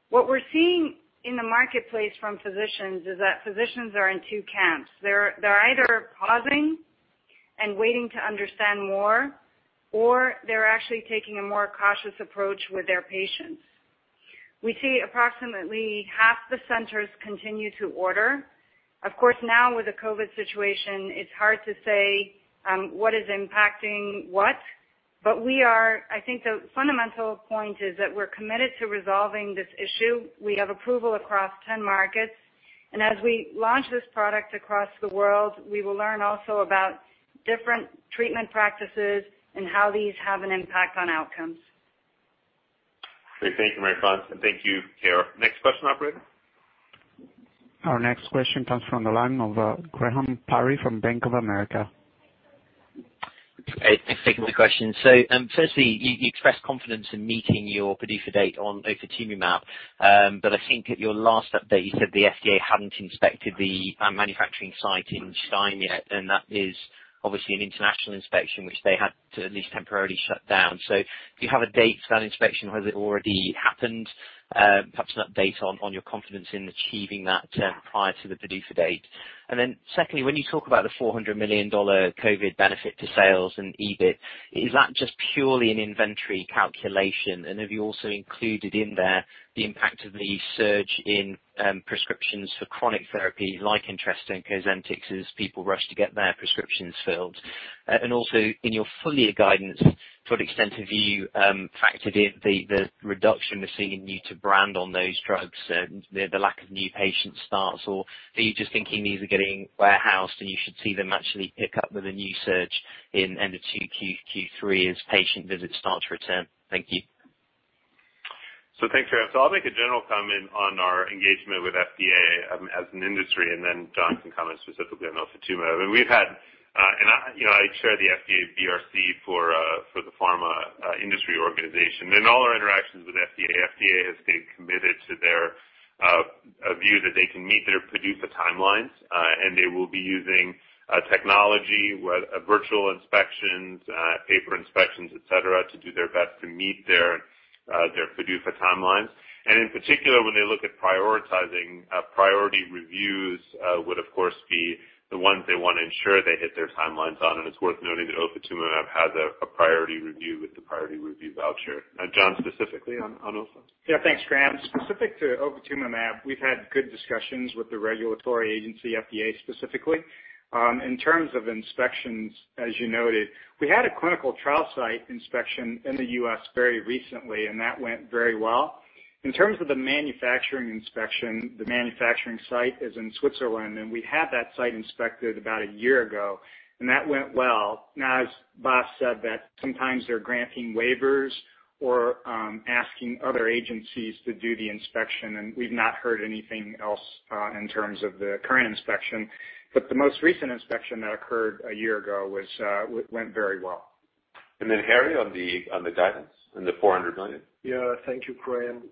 What we're seeing in the marketplace from physicians is that physicians are in two camps. They're either pausing and waiting to understand more, or they're actually taking a more cautious approach with their patients. We see approximately half the centers continue to order. Of course, now with the COVID situation, it's hard to say what is impacting what. I think the fundamental point is that we're committed to resolving this issue. We have approval across 10 markets, and as we launch this product across the world, we will learn also about different treatment practices and how these have an impact on outcomes. Great. Thank you, Marie-France, and thank you, Keyur. Next question, operator. Our next question comes from the line of Graham Parry from Bank of America. Hey, thanks. A quick question. Firstly, you expressed confidence in meeting your PDUFA date on ofatumumab, but I think at your last update, you said the FDA hadn't inspected the manufacturing site in Stein yet, and that is obviously an international inspection, which they had to at least temporarily shut down. Do you have a date for that inspection? Has it already happened? Perhaps an update on your confidence in achieving that prior to the PDUFA date. Secondly, when you talk about the $400 million COVID benefit to sales and EBIT, is that just purely an inventory calculation? Have you also included in there the impact of the surge in prescriptions for chronic therapy like Entresto and Cosentyx as people rush to get their prescriptions filled? Also, in your full year guidance, to what extent have you factored in the reduction we're seeing new to brand on those drugs, the lack of new patient starts? Or are you just thinking these are getting warehoused and you should see them actually pick up with a new surge in end of Q3 as patient visit starts return? Thank you. Thanks, Graham. I'll make a general comment on our engagement with FDA as an industry, and then John can comment specifically on ofatumumab. I chair the FDA BRC for the pharma industry organization. In all our interactions with FDA has stayed committed to their view that they can meet their PDUFA timelines. They will be using technology, virtual inspections, paper inspections, et cetera, to do their best to meet their PDUFA timelines. In particular, when they look at prioritizing, priority reviews would, of course, be the ones they want to ensure they hit their timelines on. It's worth noting that ofatumumab has a priority review with the priority review voucher. John, specifically on ofa. Yeah, thanks, Graham. Specific to ofatumumab, we've had good discussions with the regulatory agency, FDA specifically. In terms of inspections, as you noted, we had a clinical trial site inspection in the U.S. very recently, and that went very well. In terms of the manufacturing inspection, the manufacturing site is in Switzerland, and we had that site inspected about a year ago, and that went well. Now, as Vas said that sometimes they're granting waivers or asking other agencies to do the inspection, and we've not heard anything else in terms of the current inspection. The most recent inspection that occurred a year ago went very well. Harry, on the guidance and the $400 million. Yeah. Thank you, Graham.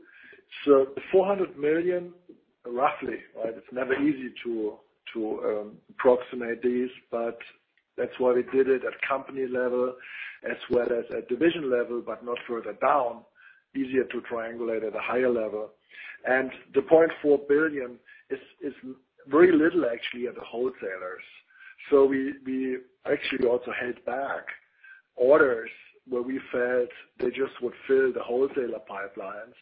The $400 million, roughly, it's never easy to approximate these, but that's why we did it at company level as well as at division level, but not further down. Easier to triangulate at a higher level. The $0.4 billion is very little actually at the wholesalers. We actually also held back orders where we felt they just would fill the wholesaler pipelines.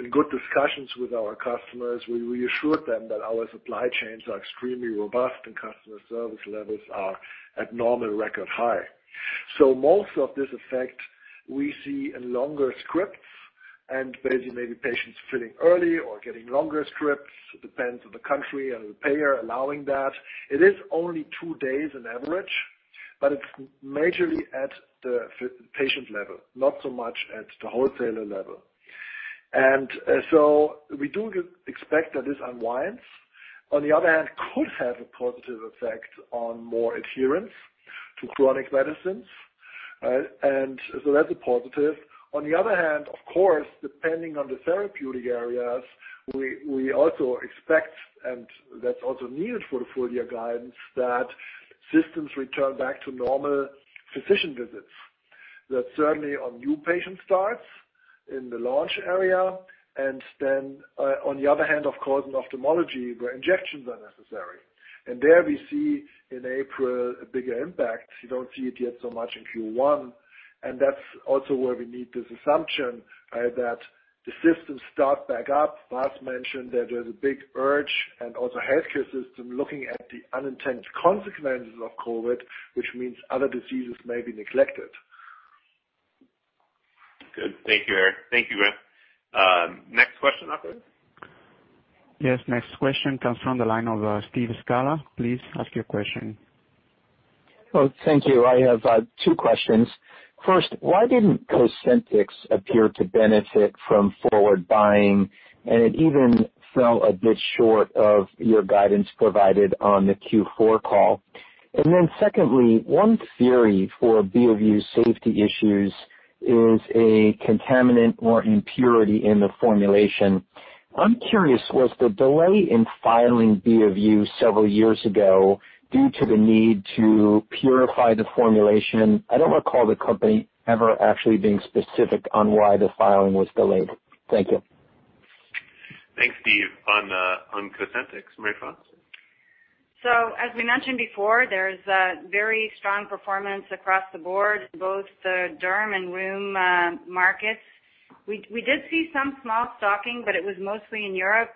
In good discussions with our customers, we reassured them that our supply chains are extremely robust and customer service levels are at normal record high. Most of this effect we see in longer scripts and basically maybe patients filling early or getting longer scripts. It depends on the country and the payer allowing that. It is only two days on average, but it's majorly at the patient level, not so much at the wholesaler level. We do expect that this unwinds. On the other hand, could have a positive effect on more adherence to chronic medicines. That's a positive. On the other hand, of course, depending on the therapeutic areas, we also expect, and that's also needed for the full year guidance, that systems return back to normal physician visits. That certainly on new patient starts in the launch area. On the other hand, of course, in Ophthalmology, where injections are necessary. There we see in April a bigger impact. You don't see it yet so much in Q1, that's also where we need this assumption that the systems start back up. Vas mentioned that there's a big urge and also healthcare system looking at the unintended consequences of COVID, which means other diseases may be neglected. Good. Thank you, Harry. Thank you, Graham. Next question operator. Yes, next question comes from the line of Steve Scala. Please ask your question. Well, thank you. I have two questions. First, why didn't COSENTYX appear to benefit from forward buying, it even fell a bit short of your guidance provided on the Q4 call? Secondly, one theory for Beovu safety issues is a contaminant or impurity in the formulation. I'm curious, was the delay in filing Beovu several years ago due to the need to purify the formulation? I don't recall the company ever actually being specific on why the filing was delayed. Thank you. Thanks, Steve. On COSENTYX, Marie-France. As we mentioned before, there's a very strong performance across the board, both the derm and rheum markets. We did see some small stocking, but it was mostly in Europe.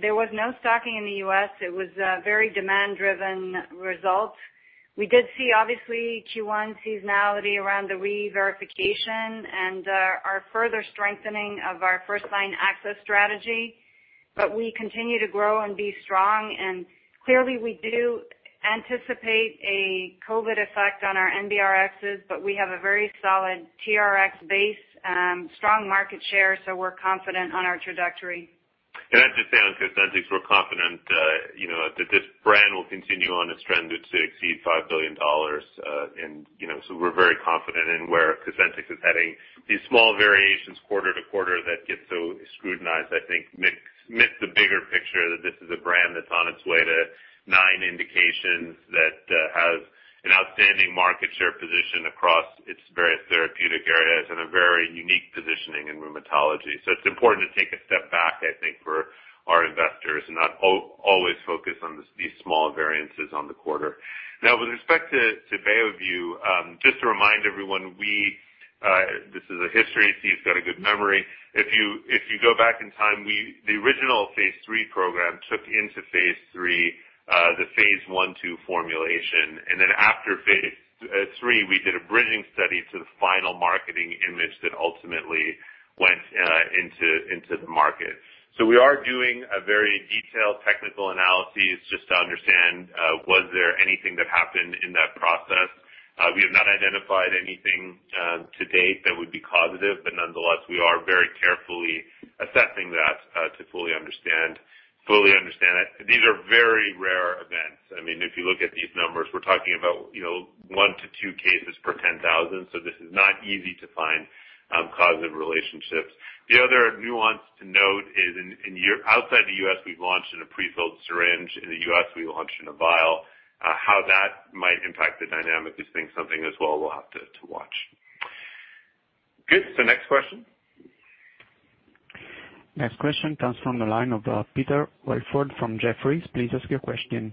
There was no stocking in the U.S. It was a very demand-driven result. We did see, obviously, Q1 seasonality around the reverification and our further strengthening of our first line access strategy, but we continue to grow and be strong. Clearly, we do anticipate a COVID effect on our NBRXs, but we have a very solid TRX base, strong market share, so we're confident on our trajectory. Can I just say on COSENTYX, we're confident that this brand will continue on its trend to exceed $5 billion. We're very confident in where COSENTYX is heading. These small variations quarter to quarter that get so scrutinized, I think miss the bigger picture that this is a brand that's on its way to nine indications, that has an outstanding market share position across its various therapeutic areas, and a very unique positioning in rheumatology. It's important to take a step back, I think, for our investors and not always focus on these small variances on the quarter. Now, with respect to Beovu, just to remind everyone, this is a history. Steve Scala's got a good memory. If you go back in time, the original phase III program took into phase III, the phase I, II formulation. After phase III, we did a bridging study to the final marketing image that ultimately went into the market. We are doing a very detailed technical analysis just to understand, was there anything that happened in that process? We have not identified anything to date that would be causative, but nonetheless, we are very carefully assessing that to fully understand it. These are very rare events. If you look at these numbers, we're talking about one to two cases per 10,000. This is not easy to find causative relationships. The other nuance to note is outside the U.S., we've launched in a prefilled syringe. In the U.S., we launched in a vial. How that might impact the dynamic is something as well we'll have to watch. Good. Next question. Next question comes from the line of Peter Welford from Jefferies. Please ask your question.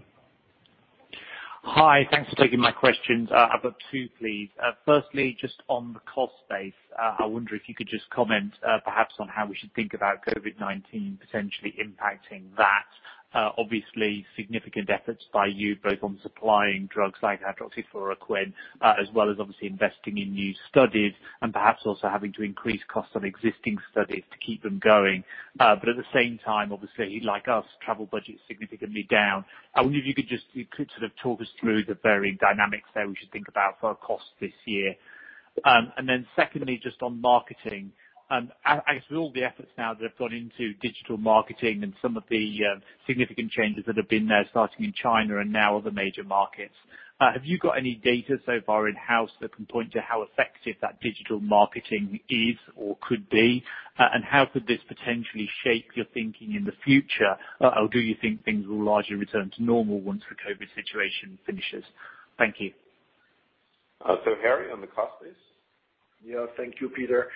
Hi. Thanks for taking my questions. I've got two, please. Firstly, just on the cost base. I wonder if you could just comment perhaps on how we should think about COVID-19 potentially impacting that. Obviously, significant efforts by you both on supplying drugs like hydroxychloroquine, as well as obviously investing in new studies and perhaps also having to increase costs on existing studies to keep them going. At the same time, obviously, like us, travel budget is significantly down. I wonder if you could sort of talk us through the varying dynamics there we should think about for our cost this year. Then secondly, just on marketing. I guess with all the efforts now that have gone into digital marketing and some of the significant changes that have been there starting in China and now other major markets, have you got any data so far in-house that can point to how effective that digital marketing is or could be? How could this potentially shape your thinking in the future? Do you think things will largely return to normal once the COVID situation finishes? Thank you. Harry, on the cost base. Thank you, Peter.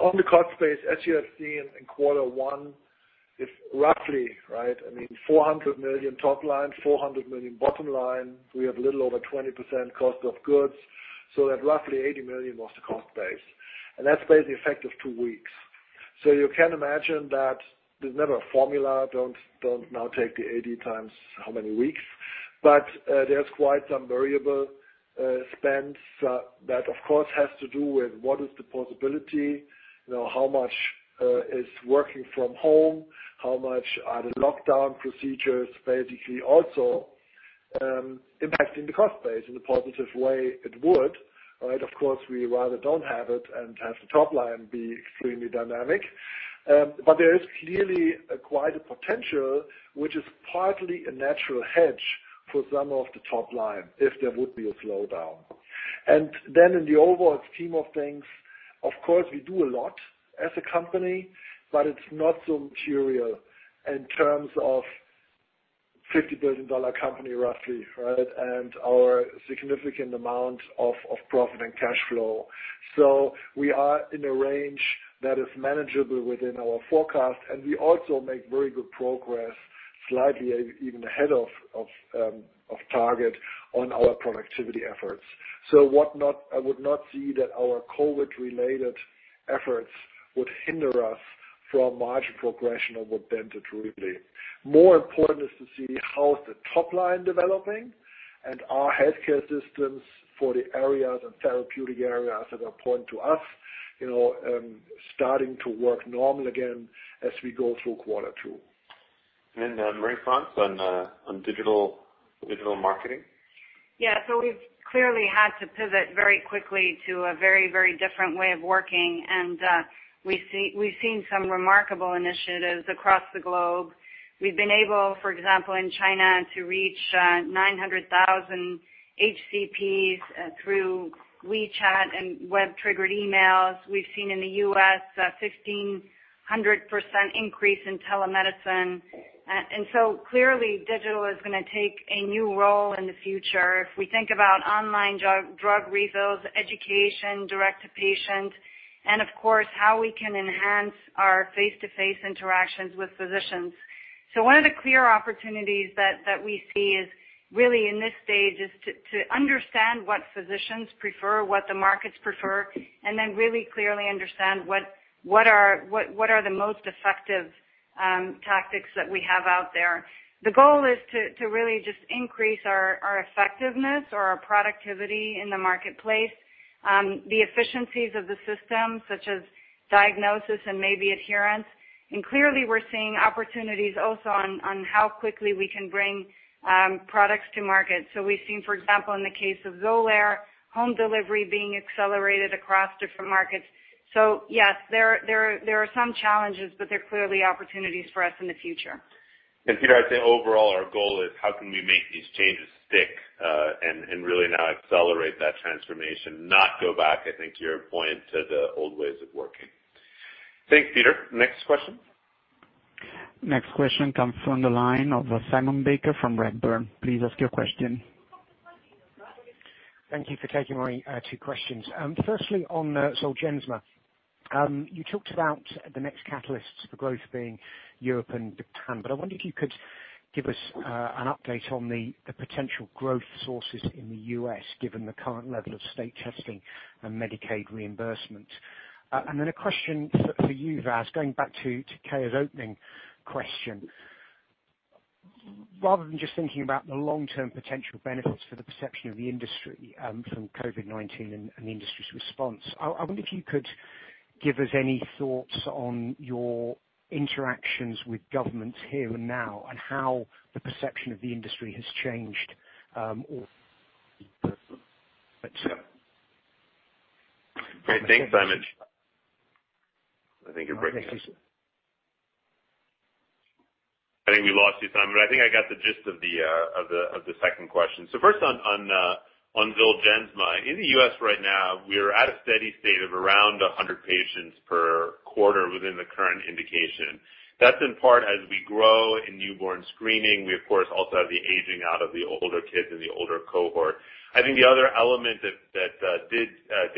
On the cost base, as you have seen in quarter one, it's roughly $400 million top line, $400 million bottom line. We have a little over 20% cost of goods, that roughly $80 million was the cost base. That's basically effect of two weeks. You can imagine that there's never a formula. Don't now take the 80 times how many weeks. There's quite some variable spends that, of course, has to do with what is the possibility, how much is working from home, how much are the lockdown procedures basically also impacting the cost base in the positive way it would, right? Of course, we rather don't have it and have the top line be extremely dynamic. There is clearly quite a potential, which is partly a natural hedge for some of the top line if there would be a slowdown. In the overall scheme of things, of course, we do a lot as a company, but it's not so material in terms of $50 billion company, roughly, right? Our significant amount of profit and cash flow. We are in a range that is manageable within our forecast, and we also make very good progress, slightly even ahead of target on our productivity efforts. I would not see that our COVID-related efforts would hinder us from margin progression of what Vas described. More important is to see how the top line developing and our healthcare systems for the areas and therapeutic areas that are important to us, starting to work normal again as we go through Q2. Marie-France on digital marketing. Yeah. We've clearly had to pivot very quickly to a very, very different way of working. We've seen some remarkable initiatives across the globe. We've been able, for example, in China, to reach 900,000 HCPs through WeChat and web-triggered emails. We've seen in the U.S., 1,500% increase in telemedicine. Clearly, digital is going to take a new role in the future. If we think about online drug refills, education, direct to patient, and of course, how we can enhance our face-to-face interactions with physicians. One of the clear opportunities that we see is really in this stage is to understand what physicians prefer, what the markets prefer, and then really clearly understand what are the most effective tactics that we have out there. The goal is to really just increase our effectiveness or our productivity in the marketplace. The efficiencies of the system, such as diagnosis and maybe adherence. Clearly, we're seeing opportunities also on how quickly we can bring products to market. We've seen, for example, in the case of XOLAIR, home delivery being accelerated across different markets. Yes, there are some challenges, but there are clearly opportunities for us in the future. Peter, I'd say overall our goal is how can we make these changes stick, and really now accelerate that transformation, not go back, I think, to your point, to the old ways of working. Thanks, Peter. Next question. Next question comes from the line of Simon Baker from Redburn. Please ask your question. Thank you for taking my two questions. Firstly, on Zolgensma. You talked about the next catalysts for growth being Europe and Japan, but I wonder if you could give us an update on the potential growth sources in the U.S., given the current level of state testing and Medicaid reimbursement. Then a question for you, Vas, going back to Kayur's opening question. Rather than just thinking about the long-term potential benefits for the perception of the industry from COVID-19 and the industry's response, I wonder if you could give us any thoughts on your interactions with governments here and now, and how the perception of the industry has changed. Great. Thanks, Simon. I think you're breaking up. I think we lost you, Simon. I think I got the gist of the second question. First on Zolgensma. In the U.S. right now, we're at a steady state of around 100 patients per quarter within the current indication. That's in part as we grow in newborn screening. We, of course, also have the aging out of the older kids and the older cohort. I think the other element that did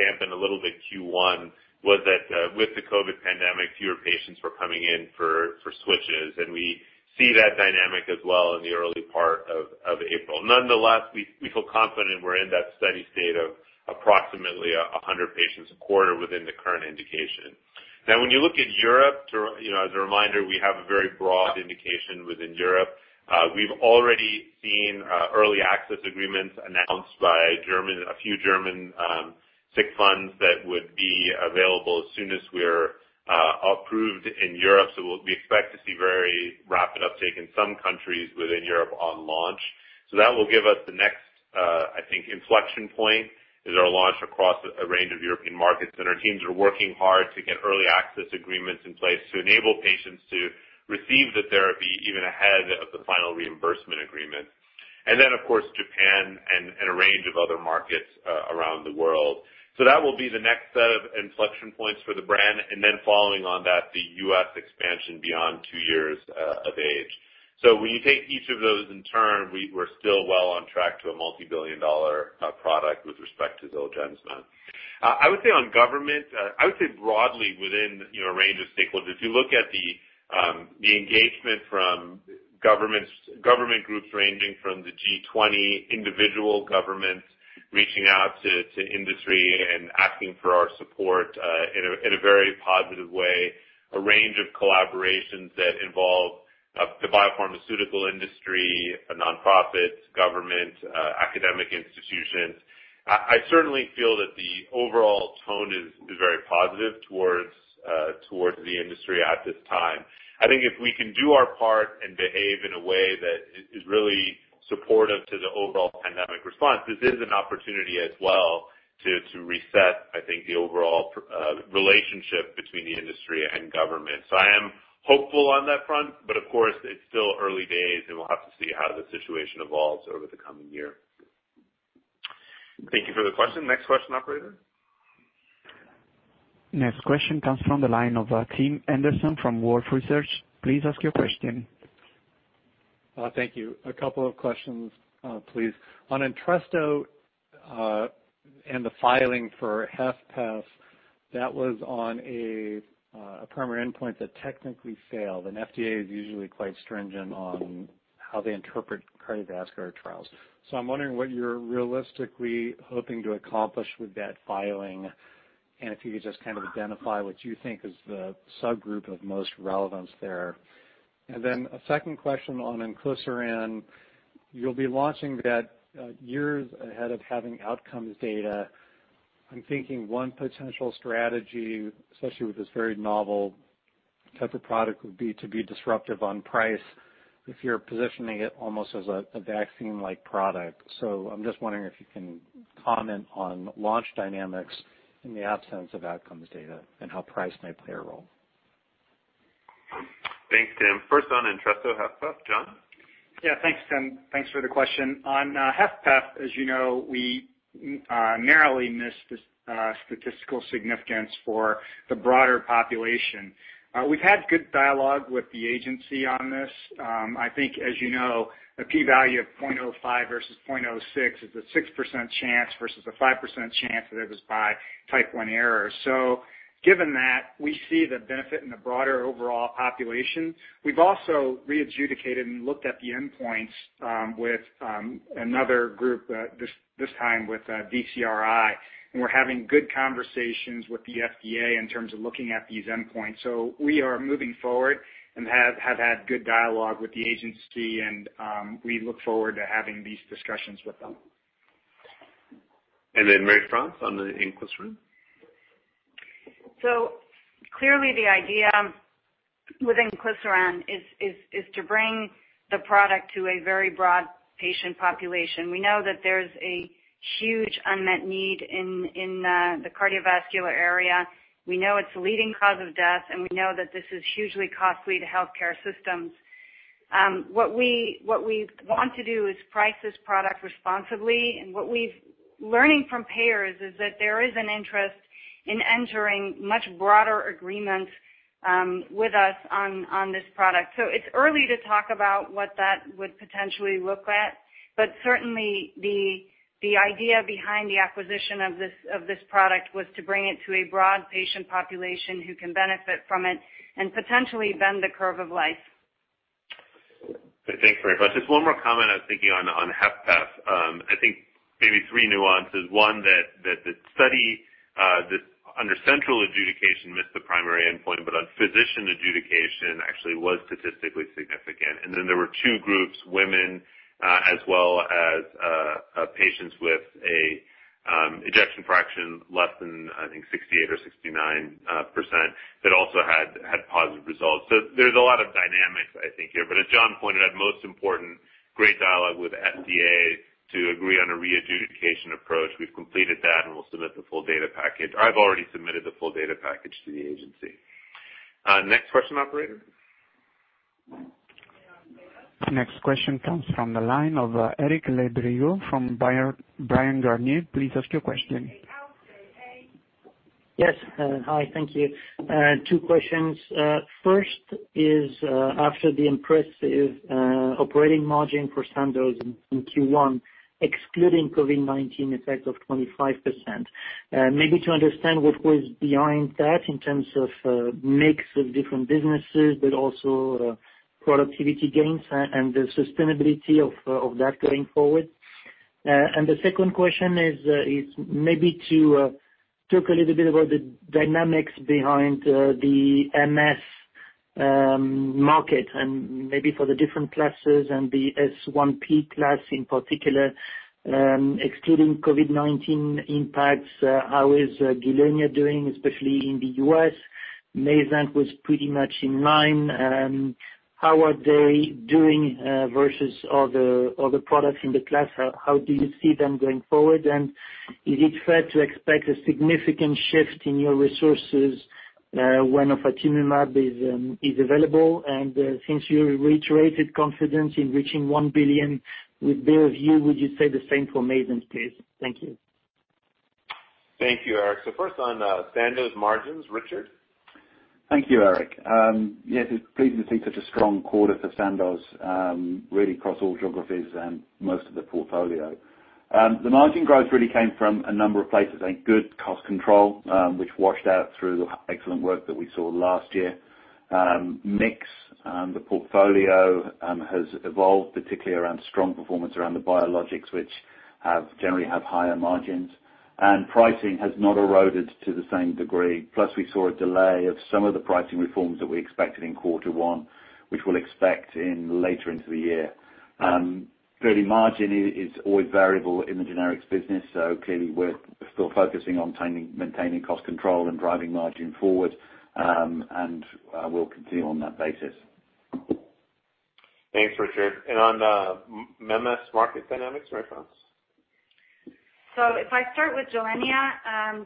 dampen a little bit Q1 was that, with the COVID pandemic, fewer patients were coming in for switches, and we see that dynamic as well in the early part of April. Nonetheless, we feel confident we're in that steady state of approximately 100 patients a quarter within the current indication. When you look at Europe, as a reminder, we have a very broad indication within Europe. We've already seen early access agreements announced by a few German sick funds that would be available as soon as we're approved in Europe. We expect to see very rapid uptake in some countries within Europe on launch. That will give us the next inflection point, is our launch across a range of European markets. Our teams are working hard to get early access agreements in place to enable patients to receive the therapy even ahead of the final reimbursement agreement. Of course, Japan and a range of other markets around the world. That will be the next set of inflection points for the brand. Following on that, the U.S. expansion beyond two years of age. When you take each of those in turn, we're still well on track to a multi-billion-dollar product with respect to Zolgensma. I would say on government, I would say broadly within a range of stakeholders, if you look at the engagement from government groups ranging from the G20, individual governments reaching out to industry and asking for our support in a very positive way, a range of collaborations that involve the biopharmaceutical industry, nonprofits, government, academic institutions. I certainly feel that the overall tone is very positive towards the industry at this time. I think if we can do our part and behave in a way that is really supportive to the overall pandemic response, this is an opportunity as well to reset the overall relationship between the industry and government. I am hopeful on that front, but of course, it's still early days, and we'll have to see how the situation evolves over the coming year. Thank you for the question. Next question, operator. Next question comes from the line of Tim Anderson from Wolfe Research. Please ask your question. Thank you. A couple of questions, please. On Entresto, and the filing for HFpEF, that was on a. A primary endpoint that technically failed. FDA is usually quite stringent on how they interpret cardiovascular trials. I'm wondering what you're realistically hoping to accomplish with that filing, and if you could just kind of identify what you think is the subgroup of most relevance there. A second question on inclisiran. You'll be launching that years ahead of having outcomes data. I'm thinking one potential strategy, especially with this very novel type of product, would be to be disruptive on price if you're positioning it almost as a vaccine-like product. I'm just wondering if you can comment on launch dynamics in the absence of outcomes data and how price may play a role. Thanks, Tim. First on Entresto, HFpEF, John? Yeah. Thanks, Tim. Thanks for the question. On HFpEF, as you know, we narrowly missed statistical significance for the broader population. We've had good dialogue with the agency on this. I think, as you know, a P value of 0.05 versus 0.06 is a 6% chance versus a 5% chance that it was by type one error. Given that, we see the benefit in the broader overall population. We've also re-adjudicated and looked at the endpoints with another group, this time with DCRI, and we're having good conversations with the FDA in terms of looking at these endpoints. We are moving forward and have had good dialogue with the agency, and we look forward to having these discussions with them. Marie-France on the inclisiran. Clearly the idea with inclisiran is to bring the product to a very broad patient population. We know that there's a huge unmet need in the cardiovascular area. We know it's the leading cause of death, and we know that this is hugely costly to healthcare systems. What we want to do is price this product responsibly, and what we're learning from payers is that there is an interest in entering much broader agreements with us on this product. It's early to talk about what that would potentially look at, but certainly the idea behind the acquisition of this product was to bring it to a broad patient population who can benefit from it and potentially bend the curve of life. Thanks very much. Just one more comment. I was thinking on HFpEF. I think maybe three nuances. One, that the study under central adjudication missed the primary endpoint, but on physician adjudication actually was statistically significant. There were two groups, women as well as patients with a ejection fraction less than, I think, 68 or 69%, that also had positive results. There's a lot of dynamics I think here. As John pointed out, most important, great dialogue with FDA to agree on a re-adjudication approach. We've completed that, and we'll submit the full data package. I've already submitted the full data package to the agency. Next question, operator. Next question comes from the line of Eric Le Berrigaud from Bryan, Garnier. Please ask your question. Yes. Hi, thank you. Two questions. First, after the impressive operating margin for Sandoz in Q1, excluding COVID-19 effects of 25%, to understand what was behind that in terms of mix of different businesses, but also productivity gains and the sustainability of that going forward. The second question, to talk a little bit about the dynamics behind the MS market and for the different classes and the S1P class in particular, excluding COVID-19 impacts, how is Gilenya doing, especially in the U.S.? MAYZENT was pretty much in line. How are they doing versus other products in the class? How do you see them going forward? Is it fair to expect a significant shift in your resources when ofatumumab is available? Since you reiterated confidence in reaching 1 billion with Beovu, would you say the same for MAYZENT, please? Thank you. Thank you, Eric. First on Sandoz margins, Richard? Thank you, Eric. Yes, it's pleasing to see such a strong quarter for Sandoz, really across all geographies and most of the portfolio. The margin growth really came from a number of places, a good cost control, which washed out through the excellent work that we saw last year. Mix, the portfolio has evolved, particularly around strong performance around the biologics, which generally have higher margins. Pricing has not eroded to the same degree. Plus, we saw a delay of some of the pricing reforms that we expected in quarter one, which we'll expect later into the year. Clearly, margin is always variable in the generics business, clearly we're still focusing on maintaining cost control and driving margin forward, and we'll continue on that basis. Thanks, Richard. On MS market dynamics, Marie-France? If I start with Gilenya,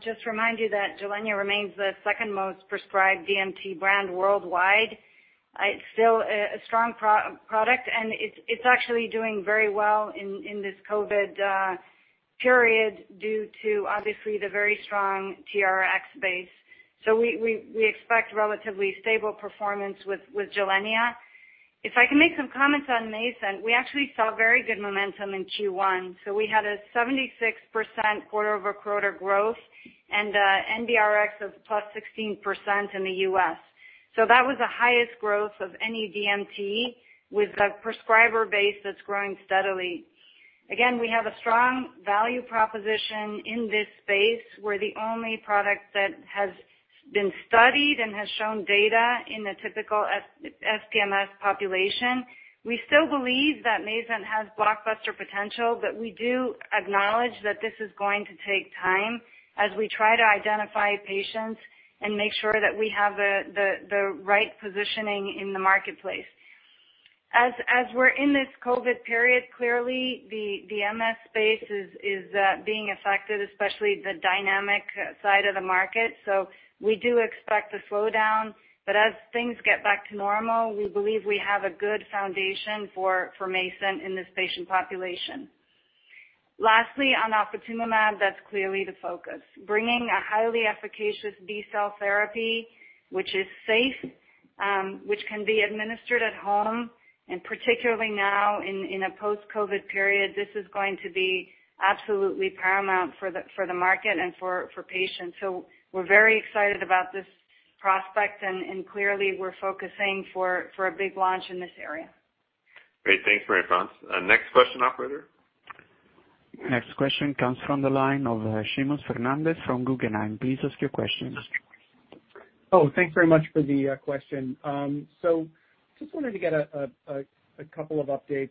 just remind you that Gilenya remains the second most prescribed DMT brand worldwide. It's still a strong product, and it's actually doing very well in this COVID period due to obviously the very strong TRx base. We expect relatively stable performance with Gilenya. If I can make some comments on Mayzent. We actually saw very good momentum in Q1. We had a 76% quarter-over-quarter growth and NRx of plus 16% in the U.S. That was the highest growth of any DMT with a prescriber base that's growing steadily. Again, we have a strong value proposition in this space. We're the only product that has been studied and has shown data in a typical SPMS population. We still believe that MAYZENT has blockbuster potential, but we do acknowledge that this is going to take time as we try to identify patients and make sure that we have the right positioning in the marketplace. As we're in this COVID period, clearly the MS space is being affected, especially the dynamic side of the market. We do expect a slowdown, but as things get back to normal, we believe we have a good foundation for MAYZENT in this patient population. Lastly, on ofatumumab, that's clearly the focus. Bringing a highly efficacious B-cell therapy, which is safe, which can be administered at home, and particularly now in a post-COVID period, this is going to be absolutely paramount for the market and for patients. We're very excited about this prospect, and clearly, we're focusing for a big launch in this area. Great. Thanks, Marie-France. Next question, operator. Next question comes from the line of Seamus Fernandez from Guggenheim. Please ask your questions. Thanks very much for the question. Just wanted to get a couple of updates.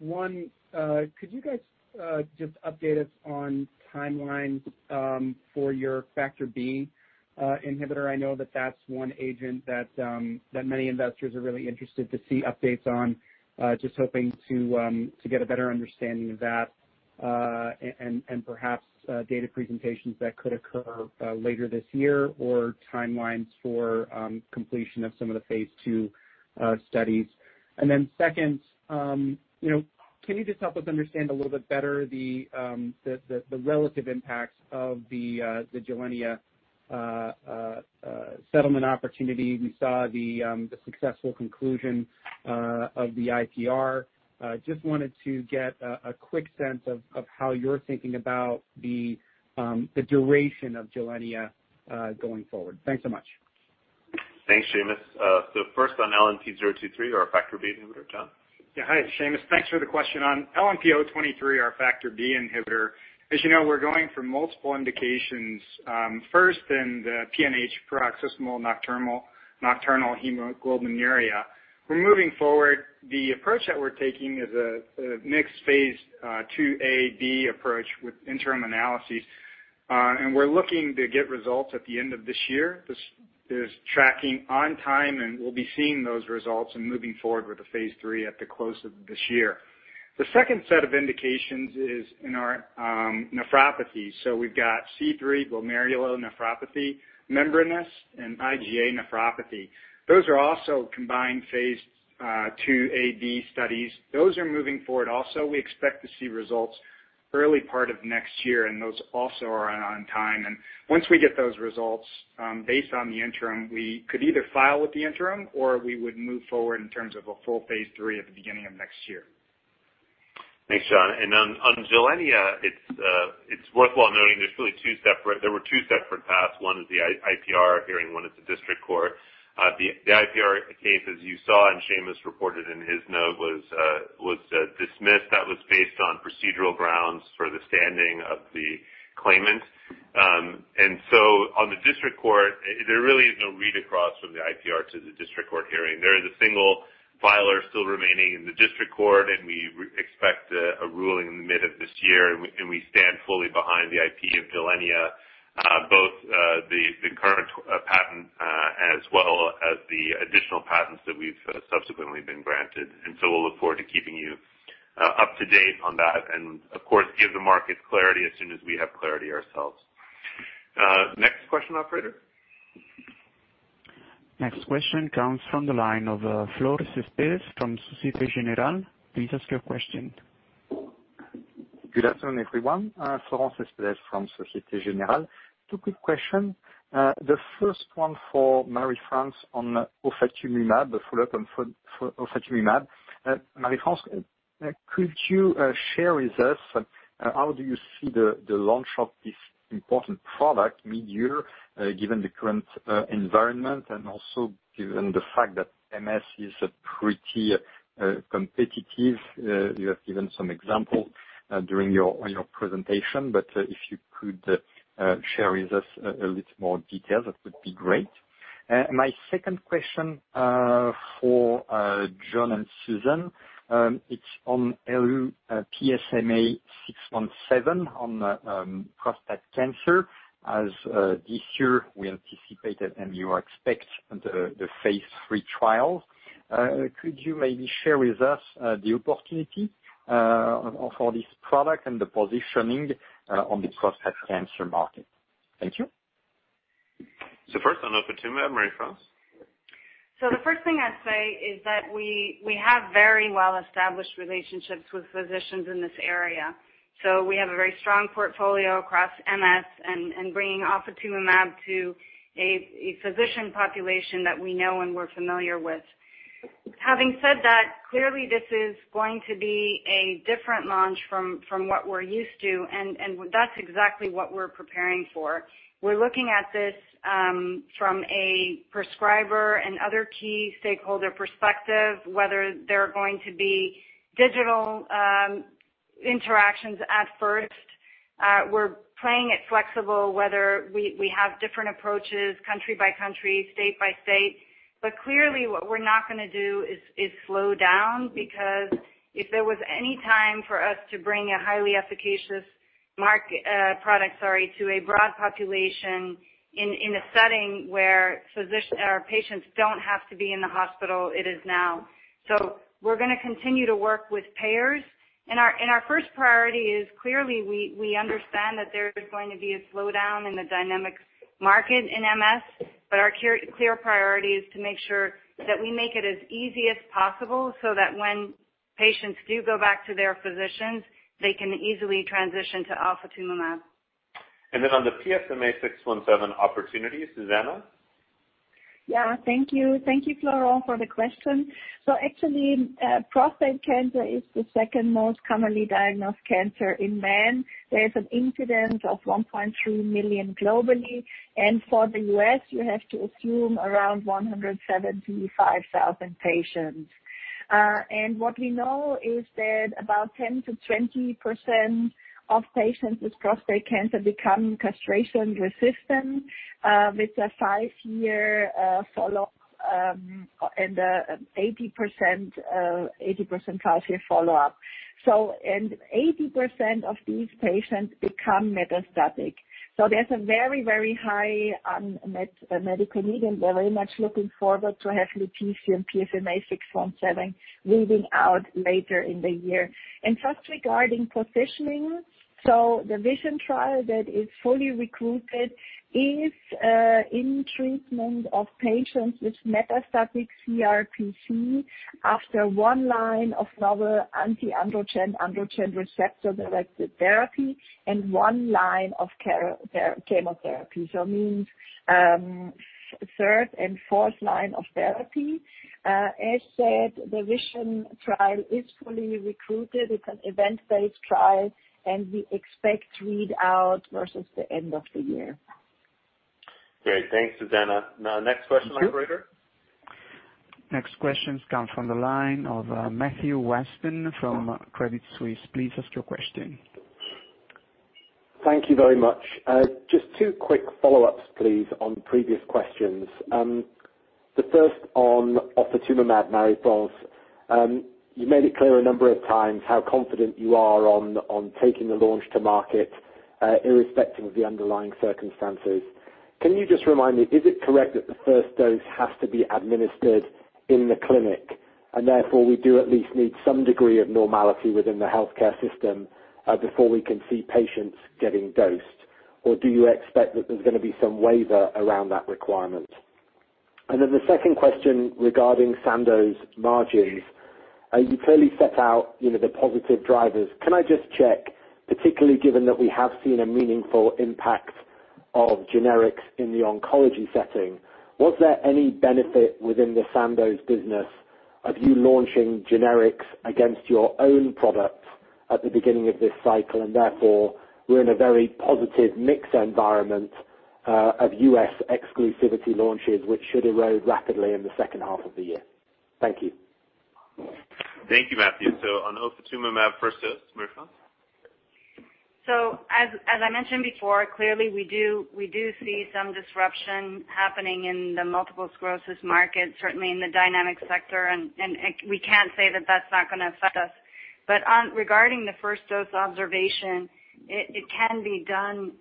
One, could you guys just update us on timelines for your factor B inhibitor? I know that that's one agent that many investors are really interested to see updates on. Just hoping to get a better understanding of that, and perhaps data presentations that could occur later this year or timelines for completion of some of the phase II studies. Second, can you just help us understand a little bit better the relative impacts of the Gilenya settlement opportunity? We saw the successful conclusion of the IPR. Just wanted to get a quick sense of how you're thinking about the duration of Gilenya going forward. Thanks so much. Thanks, Seamus. First on LNP023 or factor B inhibitor, John. Yeah. Hi, Seamus. Thanks for the question. LNP023, our factor B inhibitor, as you know, we're going for multiple indications. First in the PNH, paroxysmal nocturnal hemoglobinuria. We're moving forward. The approach that we're taking is a mixed phase II-A/B approach with interim analyses. We're looking to get results at the end of this year. This is tracking on time, and we'll be seeing those results and moving forward with the phase III at the close of this year. The second set of indications is in our nephropathy. We've got C3, glomerular nephropathy, membranous, and IgA nephropathy. Those are also combined phase II-A/B studies. Those are moving forward also. We expect to see results early part of next year, and those also are on time. Once we get those results, based on the interim, we could either file with the interim or we would move forward in terms of a full phase III at the beginning of next year. Thanks, John. On Gilenya, it's worthwhile noting there were two separate paths. One is the IPR hearing, one is the district court. The IPR case, as you saw, and Seamus reported in his note, was dismissed. That was based on procedural grounds for the standing of the claimant. On the district court, there really is no read across from the IPR to the district court hearing. There is a single filer still remaining in the district court, and we expect a ruling in the mid of this year, and we stand fully behind the IP of Gilenya, both the current patent as well as the additional patents that we've subsequently been granted. We'll look forward to keeping you up to date on that and, of course, give the market clarity as soon as we have clarity ourselves. Next question, operator. Next question comes from the line of Florent Cespedes from Société Générale. Please ask your question. Good afternoon, everyone. Florent Cespedes from Société Générale. Two quick question. The first one for Marie-France on ofatumumab, a follow-up on ofatumumab. Marie-France, could you share with us how do you see the launch of this important product midyear, given the current environment and also given the fact that MS is pretty competitive? You have given some example during your presentation, but if you could share with us a little more detail, that would be great. My second question for John and Susanne. It's on 177Lu-PSMA-617 on prostate cancer, as this year we anticipated and you expect the phase III trial. Could you maybe share with us the opportunity for this product and the positioning on the prostate cancer market? Thank you. First on ofatumumab, Marie-France? The first thing I'd say is that we have very well-established relationships with physicians in this area. We have a very strong portfolio across MS and bringing ofatumumab to a physician population that we know and we're familiar with. Having said that, clearly this is going to be a different launch from what we're used to, and that's exactly what we're preparing for. We're looking at this from a prescriber and other key stakeholder perspective, whether there are going to be digital interactions at first. We're playing it flexible, whether we have different approaches country by country, state by state. Clearly what we're not going to do is slow down, because if there was any time for us to bring a highly efficacious product to a broad population in a setting where our patients don't have to be in the hospital, it is now. We're going to continue to work with payers. Our first priority is clearly we understand that there is going to be a slowdown in the dynamic market in MS, but our clear priority is to make sure that we make it as easy as possible so that when patients do go back to their physicians, they can easily transition to ofatumumab. On the PSMA-617 opportunity, Susanne? Yeah, thank you. Thank you, Florent, for the question. Actually, prostate cancer is the second most commonly diagnosed cancer in men. There is an incidence of 1.2 million globally, and for the U.S., you have to assume around 175,000 patients. What we know is that about 10%-20% of patients with prostate cancer become castration-resistant, with a five-year follow-up and 80% five-year follow-up. 80% of these patients become metastatic. There's a very, very high unmet medical need, and we're very much looking forward to have lutetium PSMA-617 reading out later in the year. Just regarding positioning, the VISION trial that is fully recruited is in treatment of patients with metastatic CRPC after one line of novel anti-androgen, androgen receptor-directed therapy and one line of chemotherapy. Means third and fourth line of therapy. As said, the VISION trial is fully recruited. It's an event-based trial, and we expect read out versus the end of the year. Great. Thanks, Susanne. Next question, Operator. Next questions come from the line of Matthew Weston from Credit Suisse. Please ask your question. Thank you very much. Just two quick follow-ups, please, on previous questions. The first on ofatumumab, Marie-France. You made it clear a number of times how confident you are on taking the launch to market irrespective of the underlying circumstances. Can you just remind me, is it correct that the first dose has to be administered in the clinic, and therefore we do at least need some degree of normality within the healthcare system, before we can see patients getting dosed? Or do you expect that there's going to be some waiver around that requirement? The second question regarding Sandoz margins. You clearly set out the positive drivers. Can I just check, particularly given that we have seen a meaningful impact of generics in the oncology setting, was there any benefit within the Sandoz business of you launching generics against your own products at the beginning of this cycle, and therefore we're in a very positive mix environment of U.S. exclusivity launches, which should erode rapidly in the second half of the year? Thank you. Thank you, Matthew. On ofatumumab, first to Marie-France. As I mentioned before, clearly we do see some disruption happening in the multiple sclerosis market, certainly in the dynamic sector, and we can't say that that's not going to affect us. Regarding the first dose observation, it can be done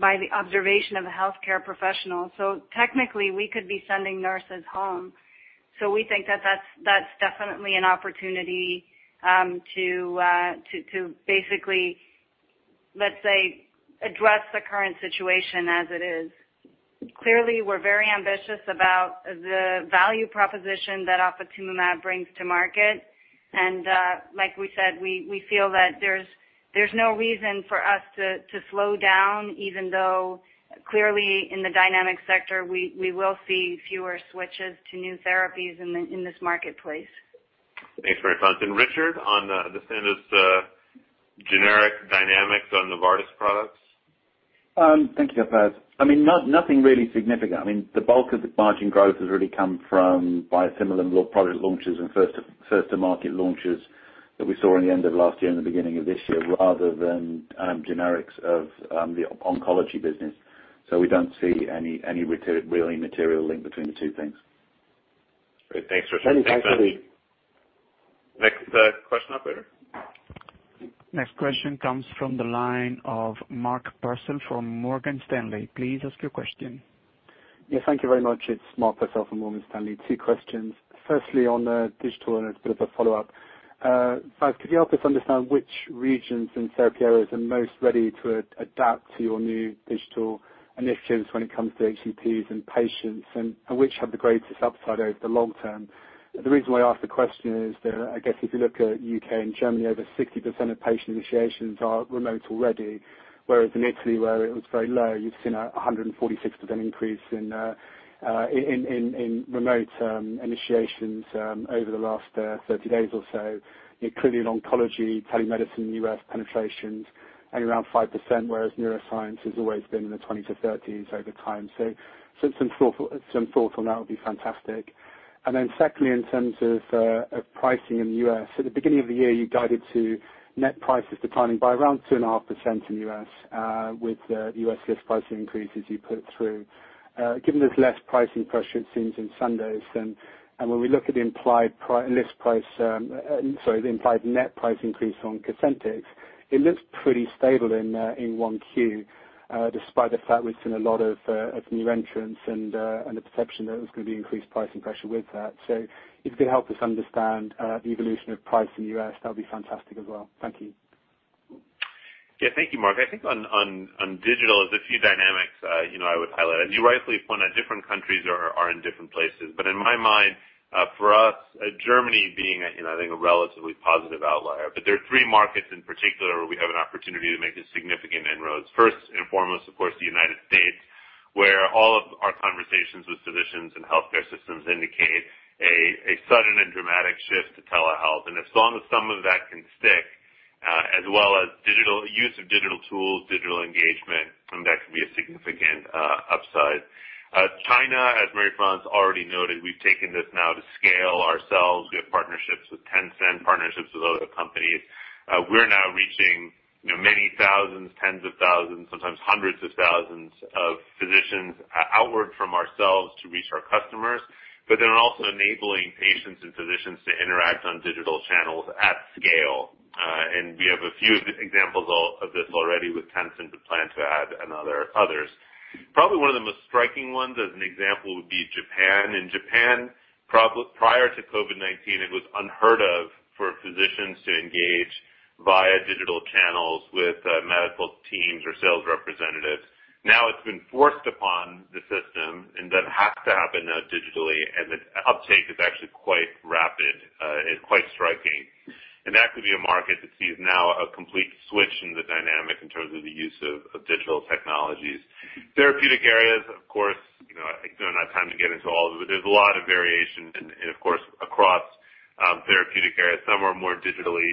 by the observation of a healthcare professional. Technically, we could be sending nurses home. We think that that's definitely an opportunity to basically, let's say, address the current situation as it is. Clearly, we're very ambitious about the value proposition that ofatumumab brings to market. Like we said, we feel that there's no reason for us to slow down, even though clearly in the dynamic sector, we will see fewer switches to new therapies in this marketplace. Thanks, Marie-France. Richard, on the Sandoz generic dynamics on Novartis products? Thank you, Florent. Nothing really significant. The bulk of the margin growth has really come from biosimilar product launches and first-to-market launches that we saw in the end of last year and the beginning of this year rather than generics of the oncology business. We don't see any really material link between the two things. Great. Thanks, Richard. Many thanks. Next question, operator? Next question comes from the line of Mark Purcell from Morgan Stanley. Please ask your question. Yes, thank you very much. It's Mark Purcell from Morgan Stanley. Two questions. Firstly, on the digital, it's a bit of a follow-up. Vas, could you help us understand which regions and therapy areas are most ready to adapt to your new digital initiatives when it comes to HCPs and patients, and which have the greatest upside over the long term? The reason why I ask the question is that, I guess if you look at U.K. and Germany, over 60% of patient initiations are remote already. Whereas in Italy, where it was very low, you've seen a 146% increase in remote initiations over the last 30 days or so. Clearly in oncology, telemedicine in the U.S. penetration is only around 5%, whereas neuroscience has always been in the 20 to 30s over time. Some thought on that would be fantastic. Secondly, in terms of pricing in the U.S. At the beginning of the year, you guided to net prices declining by around 2.5% in the U.S. with the U.S. list price increases you put through. Given there's less pricing pressure it seems in Sandoz, and when we look at the implied net price increase on COSENTYX, it looks pretty stable in 1Q, despite the fact we've seen a lot of new entrants and a perception that there was going to be increased pricing pressure with that. If you could help us understand the evolution of price in the U.S., that'd be fantastic as well. Thank you. Yeah, thank you, Mark. I think on digital, there's a few dynamics I would highlight. You rightfully point out different countries are in different places. In my mind, for us, Germany being I think a relatively positive outlier. There are three markets in particular where we have an opportunity to make a significant inroads. First and foremost, of course, the U.S., where all of our conversations with physicians and healthcare systems indicate a sudden and dramatic shift to telehealth. As long as some of that can stick, as well as use of digital tools, digital engagement, then that can be a significant upside. China, as Marie-France already noted, we've taken this now to scale ourselves. We have partnerships with Tencent, partnerships with other companies. We're now reaching many thousands, tens of thousands, sometimes hundreds of thousands of physicians outward from ourselves to reach our customers. We're also enabling patients and physicians to interact on digital channels at scale. We have a few examples of this already with Tencent. We plan to add others. Probably one of the most striking ones as an example would be Japan. In Japan, prior to COVID-19, it was unheard of for physicians to engage via digital channels with medical teams or sales representatives. Now it's been forced upon the system, and that has to happen now digitally, and the uptake is actually quite rapid. It's quite striking. That could be a market that sees now a complete switch in the dynamic in terms of the use of digital technologies. Therapeutic areas, of course, I think there's not time to get into all of it. There's a lot of variation and of course, across therapeutic areas. Some are more digitally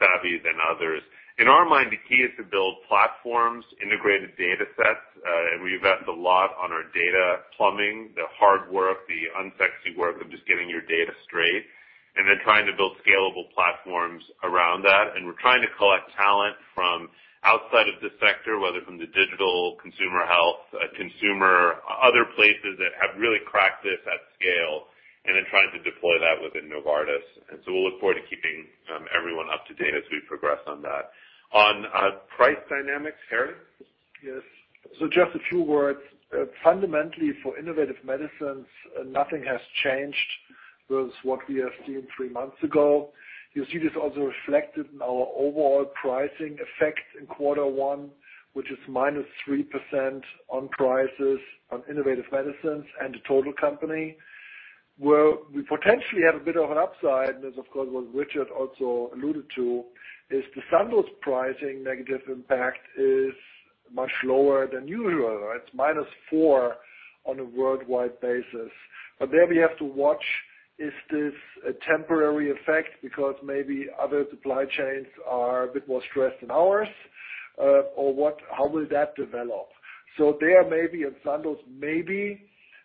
savvy than others. In our mind, the key is to build platforms, integrated datasets, and we've invested a lot on our data plumbing, the hard work, the unsexy work of just getting your data straight, and then trying to build scalable platforms around that. We're trying to collect talent from outside of the sector, whether from the digital consumer health, consumer other places that have really cracked this at scale, and then trying to deploy that within Novartis. We'll look forward to keeping everyone up to date as we progress on that. On price dynamics, Harry? Yes. Just a few words. Fundamentally, for Innovative Medicines, nothing has changed with what we have seen three months ago. You see this also reflected in our overall pricing effect in quarter one, which is minus 3% on prices on Innovative Medicines and the total company. Where we potentially have a bit of an upside, this, of course, what Richard also alluded to, is the Sandoz pricing negative impact is much lower than usual. It's minus four on a worldwide basis. There we have to watch, is this a temporary effect because maybe other supply chains are a bit more stressed than ours? How will that develop? There may be in Sandoz maybe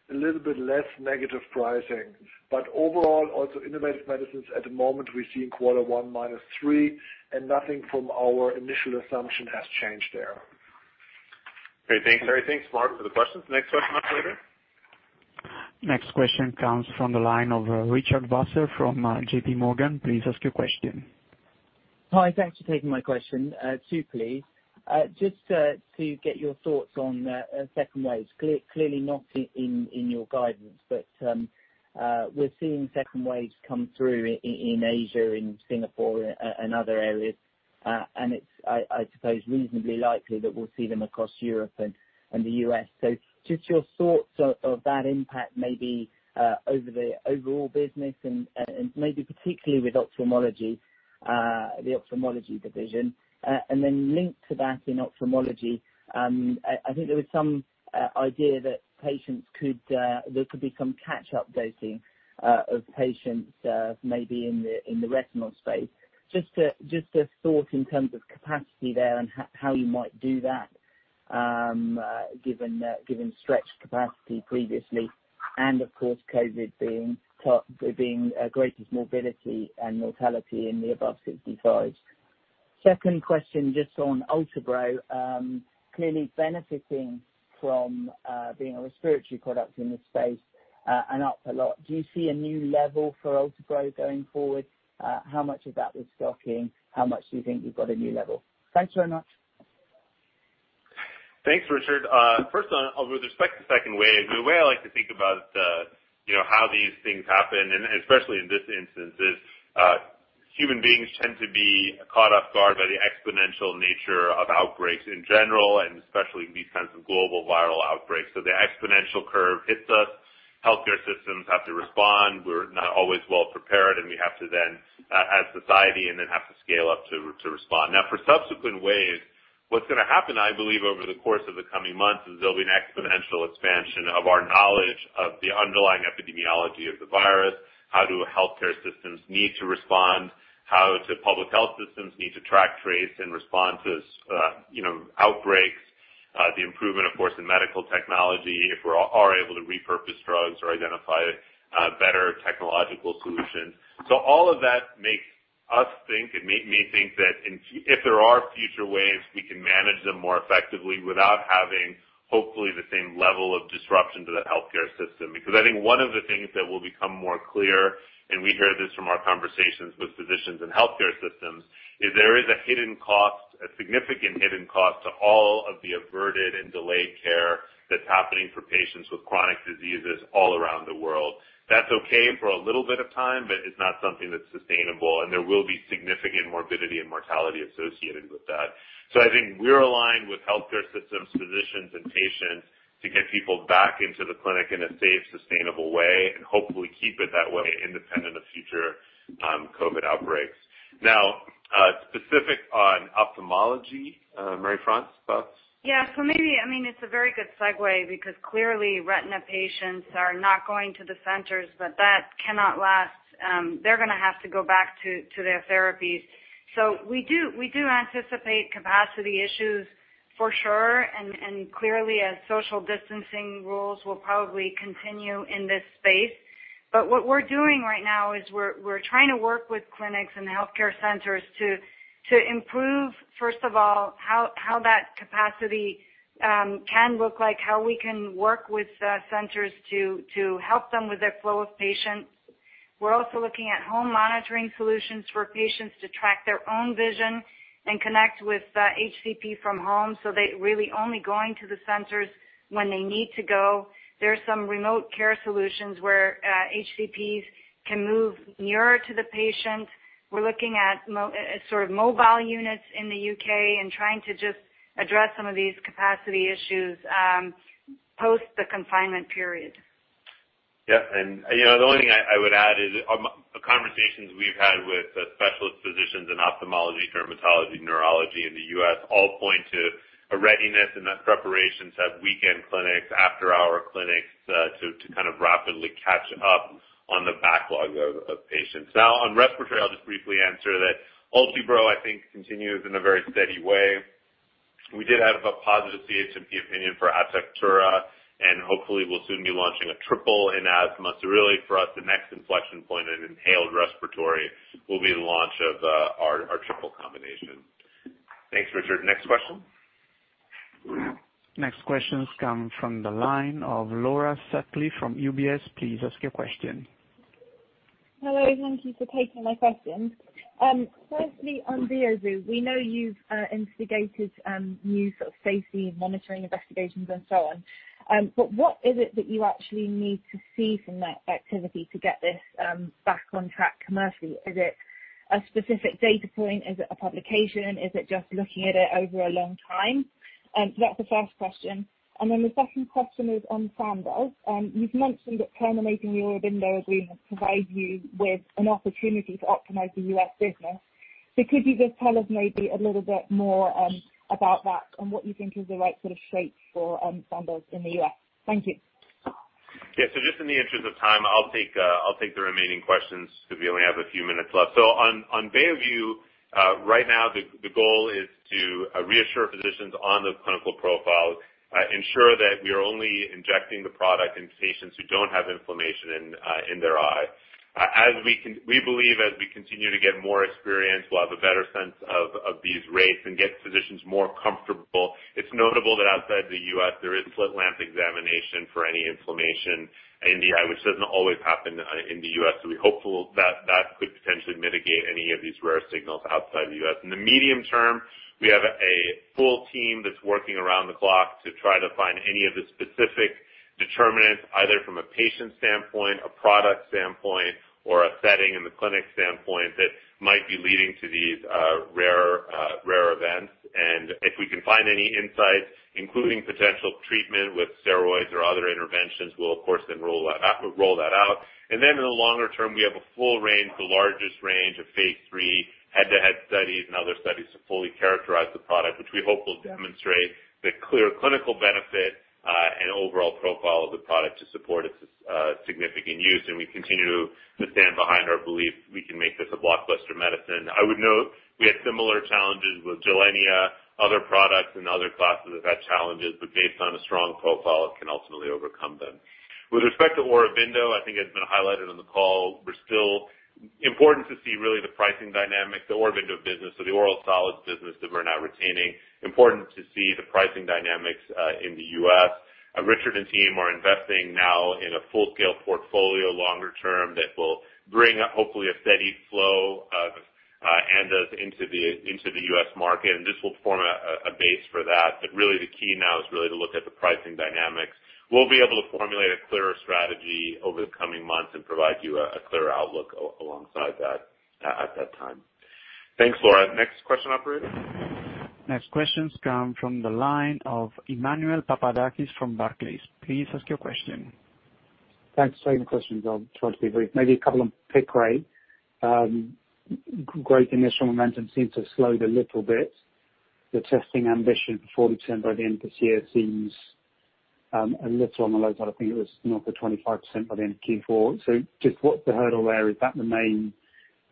a little bit less negative pricing. Overall, also Innovative Medicines at the moment, we see in quarter one minus three, and nothing from our initial assumption has changed there. Great. Thanks, Harry. Thanks, Mark, for the questions. Next question operator. Next question comes from the line of Richard Vosser from JPMorgan. Please ask your question. Hi. Thanks for taking my question. Two, please. Just to get your thoughts on second waves. Clearly not in your guidance, but we're seeing second waves come through in Asia, in Singapore and other areas. It's, I suppose, reasonably likely that we'll see them across Europe and the U.S. Your thoughts of that impact maybe over the overall business and maybe particularly with Ophthalmology, the Ophthalmology division. Linked to that in Ophthalmology, I think there was some idea that there could be some catch-up dosing of patients maybe in the retinal space. Just a thought in terms of capacity there and how you might do that given stretched capacity previously and of course, COVID being greatest morbidity and mortality in the above 65s. Second question, just on Ultibro, clearly benefiting from being a respiratory product in this space and up a lot. Do you see a new level for Ultibro going forward? How much of that was stocking? How much do you think you've got a new level? Thanks very much. Thanks, Richard. First on, with respect to second wave, the way I like to think about how these things happen, and especially in this instance, is human beings tend to be caught off guard by the exponential nature of outbreaks in general, and especially these kinds of global viral outbreaks. The exponential curve hits us. Healthcare systems have to respond. We're not always well prepared, and we have to then, as society, and then have to scale up to respond. For subsequent waves, what's going to happen, I believe, over the course of the coming months is there'll be an exponential expansion of our knowledge of the underlying epidemiology of the virus, how do healthcare systems need to respond, how do public health systems need to track, trace, and respond to outbreaks. The improvement, of course, in medical technology, if we are able to repurpose drugs or identify better technological solutions. All of that makes us think and make me think that if there are future waves, we can manage them more effectively without having, hopefully, the same level of disruption to the healthcare system. I think one of the things that will become more clear, and we hear this from our conversations with physicians and healthcare systems, is there is a significant hidden cost to all of the averted and delayed care that's happening for patients with chronic diseases all around the world. That's okay for a little bit of time, but it's not something that's sustainable, and there will be significant morbidity and mortality associated with that. I think we're aligned with healthcare systems, physicians, and patients to get people back into the clinic in a safe, sustainable way and hopefully keep it that way independent of future COVID outbreaks. Now, specific on Ophthalmology, Marie-France, thoughts? Yeah. It's a very good segue because clearly retina patients are not going to the centers, but that cannot last. They're going to have to go back to their therapies. We do anticipate capacity issues for sure, and clearly as social distancing rules will probably continue in this space. What we're doing right now is we're trying to work with clinics and healthcare centers to improve, first of all, how that capacity can look like, how we can work with centers to help them with their flow of patients. We're also looking at home monitoring solutions for patients to track their own vision and connect with HCP from home, so they're really only going to the centers when they need to go. There are some remote care solutions where HCPs can move nearer to the patient. We're looking at sort of mobile units in the U.K. and trying to just address some of these capacity issues post the confinement period. Yeah. The only thing I would add is, conversations we've had with specialist physicians in ophthalmology, dermatology, neurology in the U.S. all point to a readiness and that preparations have weekend clinics, after-hour clinics to kind of rapidly catch up on the backlog of patients. Now, on respiratory, I'll just briefly answer that Ultibro, I think, continues in a very steady way. We did have a positive CHMP opinion for Atectura. Hopefully we'll soon be launching a triple in asthma. Really for us, the next inflection point in inhaled respiratory will be the launch of our triple combination. Thanks, Richard. Next question. Next questions come from the line of Laura Sutcliffe from UBS. Please ask your question. Hello, thank you for taking my questions. Firstly, on Beovu, we know you've instigated new sort of safety monitoring investigations and so on. What is it that you actually need to see from that activity to get this back on track commercially? Is it a specific data point? Is it a publication? Is it just looking at it over a long time? That's the first question. The second question is on Sandoz. You've mentioned that terminating the Aurobindo agreement provides you with an opportunity to optimize the U.S. business. Could you just tell us maybe a little bit more about that and what you think is the right sort of shape for Sandoz in the U.S.? Thank you. Just in the interest of time, I'll take the remaining questions because we only have a few minutes left. On Beovu, right now the goal is to reassure physicians on the clinical profile, ensure that we are only injecting the product in patients who don't have inflammation in their eye. We believe as we continue to get more experience, we'll have a better sense of these rates and get physicians more comfortable. It's notable that outside the U.S. there is slit lamp examination for any inflammation in the eye, which doesn't always happen in the U.S. We're hopeful that that could potentially mitigate any of these rare signals outside the U.S. In the medium term, we have a full team that's working around the clock to try to find any of the specific determinants, either from a patient standpoint, a product standpoint, or a setting in the clinic standpoint that might be leading to these rare events. If we can find any insights, including potential treatment with steroids or other interventions, we'll of course then roll that out. In the longer term, we have a full range, the largest range of phase III head-to-head studies and other studies to fully characterize the product, which we hope will demonstrate the clear clinical benefit and overall profile of the product to support its significant use. We continue to stand behind our belief we can make this a blockbuster medicine. I would note, we had similar challenges with Gilenya, other products in other classes have had challenges, but based on a strong profile, it can ultimately overcome them. With respect to Aurobindo, I think it has been highlighted on the call. Important to see really the pricing dynamic, the Aurobindo business, so the oral solids business that we're now retaining. Important to see the pricing dynamics in the U.S. Richard and team are investing now in a full-scale portfolio longer term that will bring hopefully a steady flow of ANDAs into the U.S. market, and this will form a base for that. Really the key now is really to look at the pricing dynamics. We'll be able to formulate a clearer strategy over the coming months and provide you a clearer outlook alongside that at that time. Thanks, Laura. Next question, operator. Next questions come from the line of Emmanuel Papadakis from Barclays. Please ask your question. Thanks. Same questions. I'll try to be brief. Maybe a couple on Piqray. Great initial momentum seems to have slowed a little bit. You're testing ambition for 40% by the end of this year seems a little on the low side. I think it was north of 25% by the end of Q4. Just what's the hurdle there? Is that the main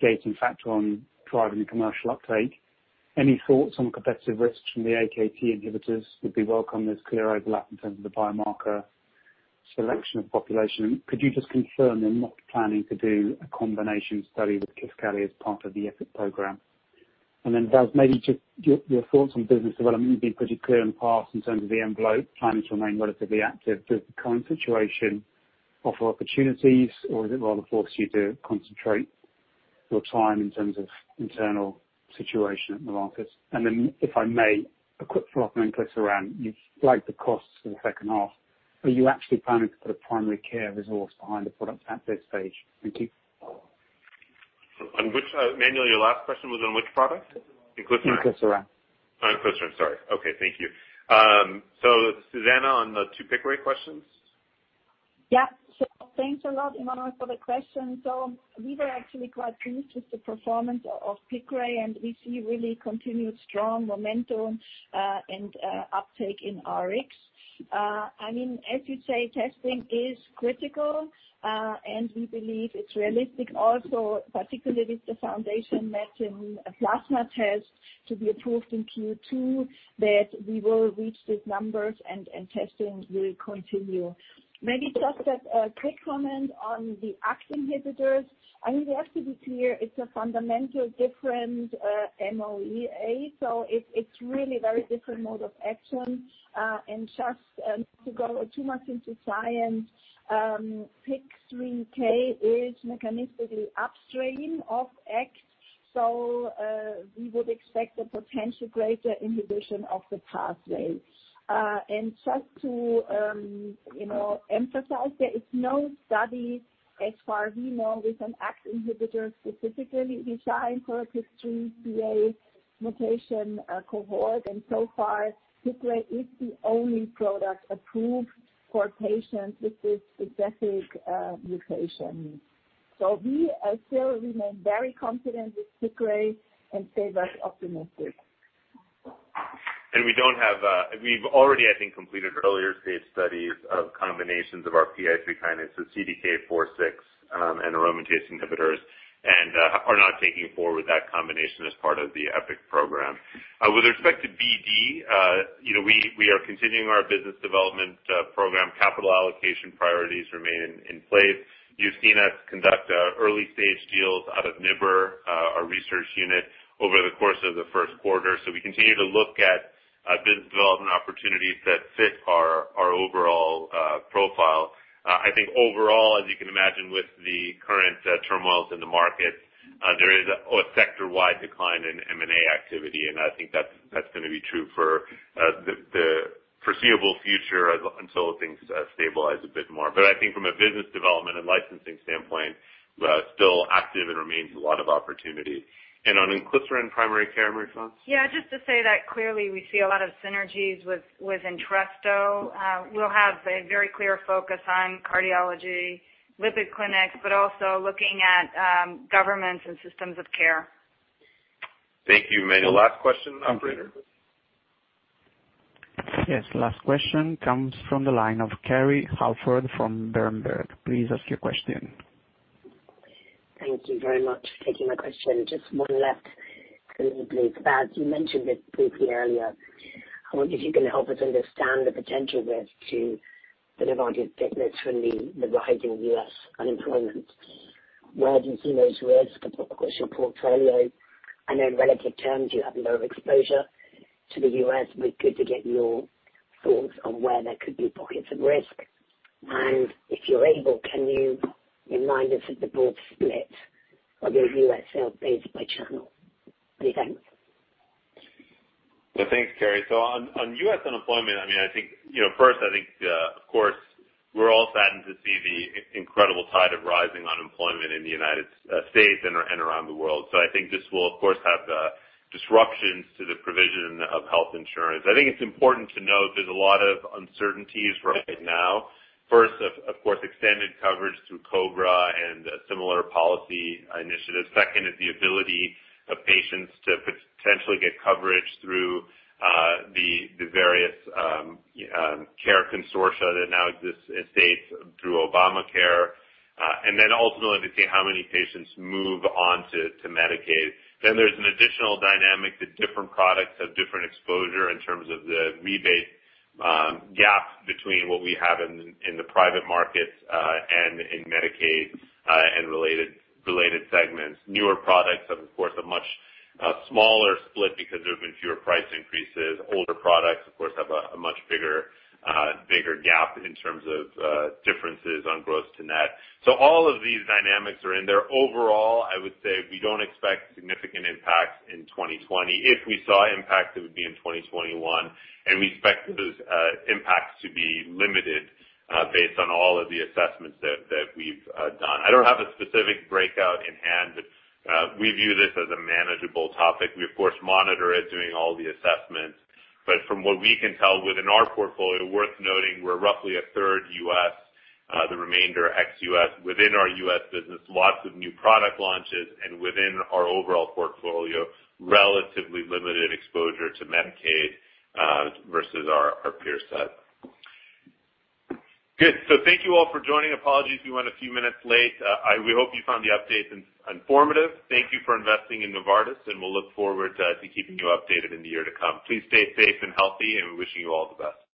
gating factor on driving commercial uptake? Any thoughts on competitive risks from the AKT inhibitors would be welcome. There's clear overlap in terms of the biomarker selection of population. Could you just confirm you're not planning to do a combination study with Kisqali as part of the EPIK program? Then, Vas, maybe just your thoughts on business development. You've been pretty clear in the past in terms of the envelope, planning to remain relatively active. Does the current situation offer opportunities or does it rather force you to concentrate your time in terms of internal situation at Novartis? If I may, a quick follow-up on inclisiran. You flagged the costs for the second half. Are you actually planning to put a primary care resource behind the product at this stage? Thank you. Emmanuel, your last question was on which product? inclisiran? inclisiran. On inclisiran, sorry. Okay. Thank you. Susanne on the two Piqray questions. Thanks a lot, Emmanuel, for the question. We were actually quite pleased with the performance of Piqray and we see really continued strong momentum and uptake in Rx. As you say, testing is critical and we believe it's realistic also, particularly with the Foundation Medicine plasma test to be approved in Q2, that we will reach these numbers and testing will continue. Maybe just a quick comment on the AKT inhibitors. We have to be clear it's a fundamental different MOA, so it's really very different mode of action. Just not to go too much into science, PIK3CA is mechanistically upstream of AKT, so we would expect a potential greater inhibition of the pathway. Just to emphasize, there is no study as far as we know with an AKT inhibitor specifically designed for a PIK3CA mutation cohort. So far, Piqray is the only product approved for patients with this specific mutation. We still remain very confident with Piqray and stay very optimistic. We've already, I think, completed earlier-stage studies of combinations of our PI3 kinase CDK4/6 and aromatase inhibitors and are not taking forward that combination as part of the EPIK program. With respect to BD, we are continuing our business development program. Capital allocation priorities remain in place. You've seen us conduct early-stage deals out of NIBR, our research unit, over the course of the first quarter. We continue to look at business development opportunities that fit our overall profile. I think overall, as you can imagine with the current turmoils in the market, there is a sector-wide decline in M&A activity and I think that's going to be true for the foreseeable future until things stabilize a bit more. I think from a business development and licensing standpoint, still active and remains a lot of opportunity. On inclisiran and primary care, Marie-France? Yeah, just to say that clearly we see a lot of synergies with Entresto. We'll have a very clear focus on cardiology, lipid clinics, but also looking at governments and systems of care. Thank you, Emmanuel. Last question, operator. Yes. Last question comes from the line of Kerry Holford from Berenberg. Please ask your question. Thank you very much for taking my question. Just one left, please. Vas, you mentioned it briefly earlier. I wonder if you can help us understand the potential risk to Novartis business from the rising U.S. unemployment. Where do you see those risks across your portfolio? I know in relative terms you have lower exposure to the U.S. It'd be good to get your thoughts on where there could be pockets of risk. If you're able, can you remind us of the broad split of your U.S. sales base by channel? Many thanks. Thanks, Kerry. On U.S. unemployment, first I think, of course, we're all saddened to see the incredible tide of rising unemployment in the United States and around the world. I think this will, of course, have disruptions to the provision of health insurance. I think it's important to note there's a lot of uncertainties right now. First, of course, extended coverage through COBRA and similar policy initiatives. Second is the ability of patients to potentially get coverage through the various care consortia that now exists in states through Obamacare. Ultimately to see how many patients move on to Medicaid. There's an additional dynamic that different products have different exposure in terms of the rebate gap between what we have in the private markets and in Medicaid and related segments. Newer products have, of course, a much smaller split because there have been fewer price increases. Older products, of course, have a much bigger gap in terms of differences on gross to net. All of these dynamics are in there. Overall, I would say we don't expect significant impacts in 2020. If we saw impact, it would be in 2021 and we expect those impacts to be limited based on all of the assessments that we've done. I don't have a specific breakout in hand, but we view this as a manageable topic. We of course monitor it doing all the assessments. From what we can tell within our portfolio, worth noting we're roughly a third U.S., the remainder ex-U.S. Within our U.S. business, lots of new product launches and within our overall portfolio, relatively limited exposure to Medicaid versus our peer set. Good. Thank you all for joining. Apologies we went a few minutes late. We hope you found the updates informative. Thank you for investing in Novartis and we'll look forward to keeping you updated in the year to come. Please stay safe and healthy and we're wishing you all the best.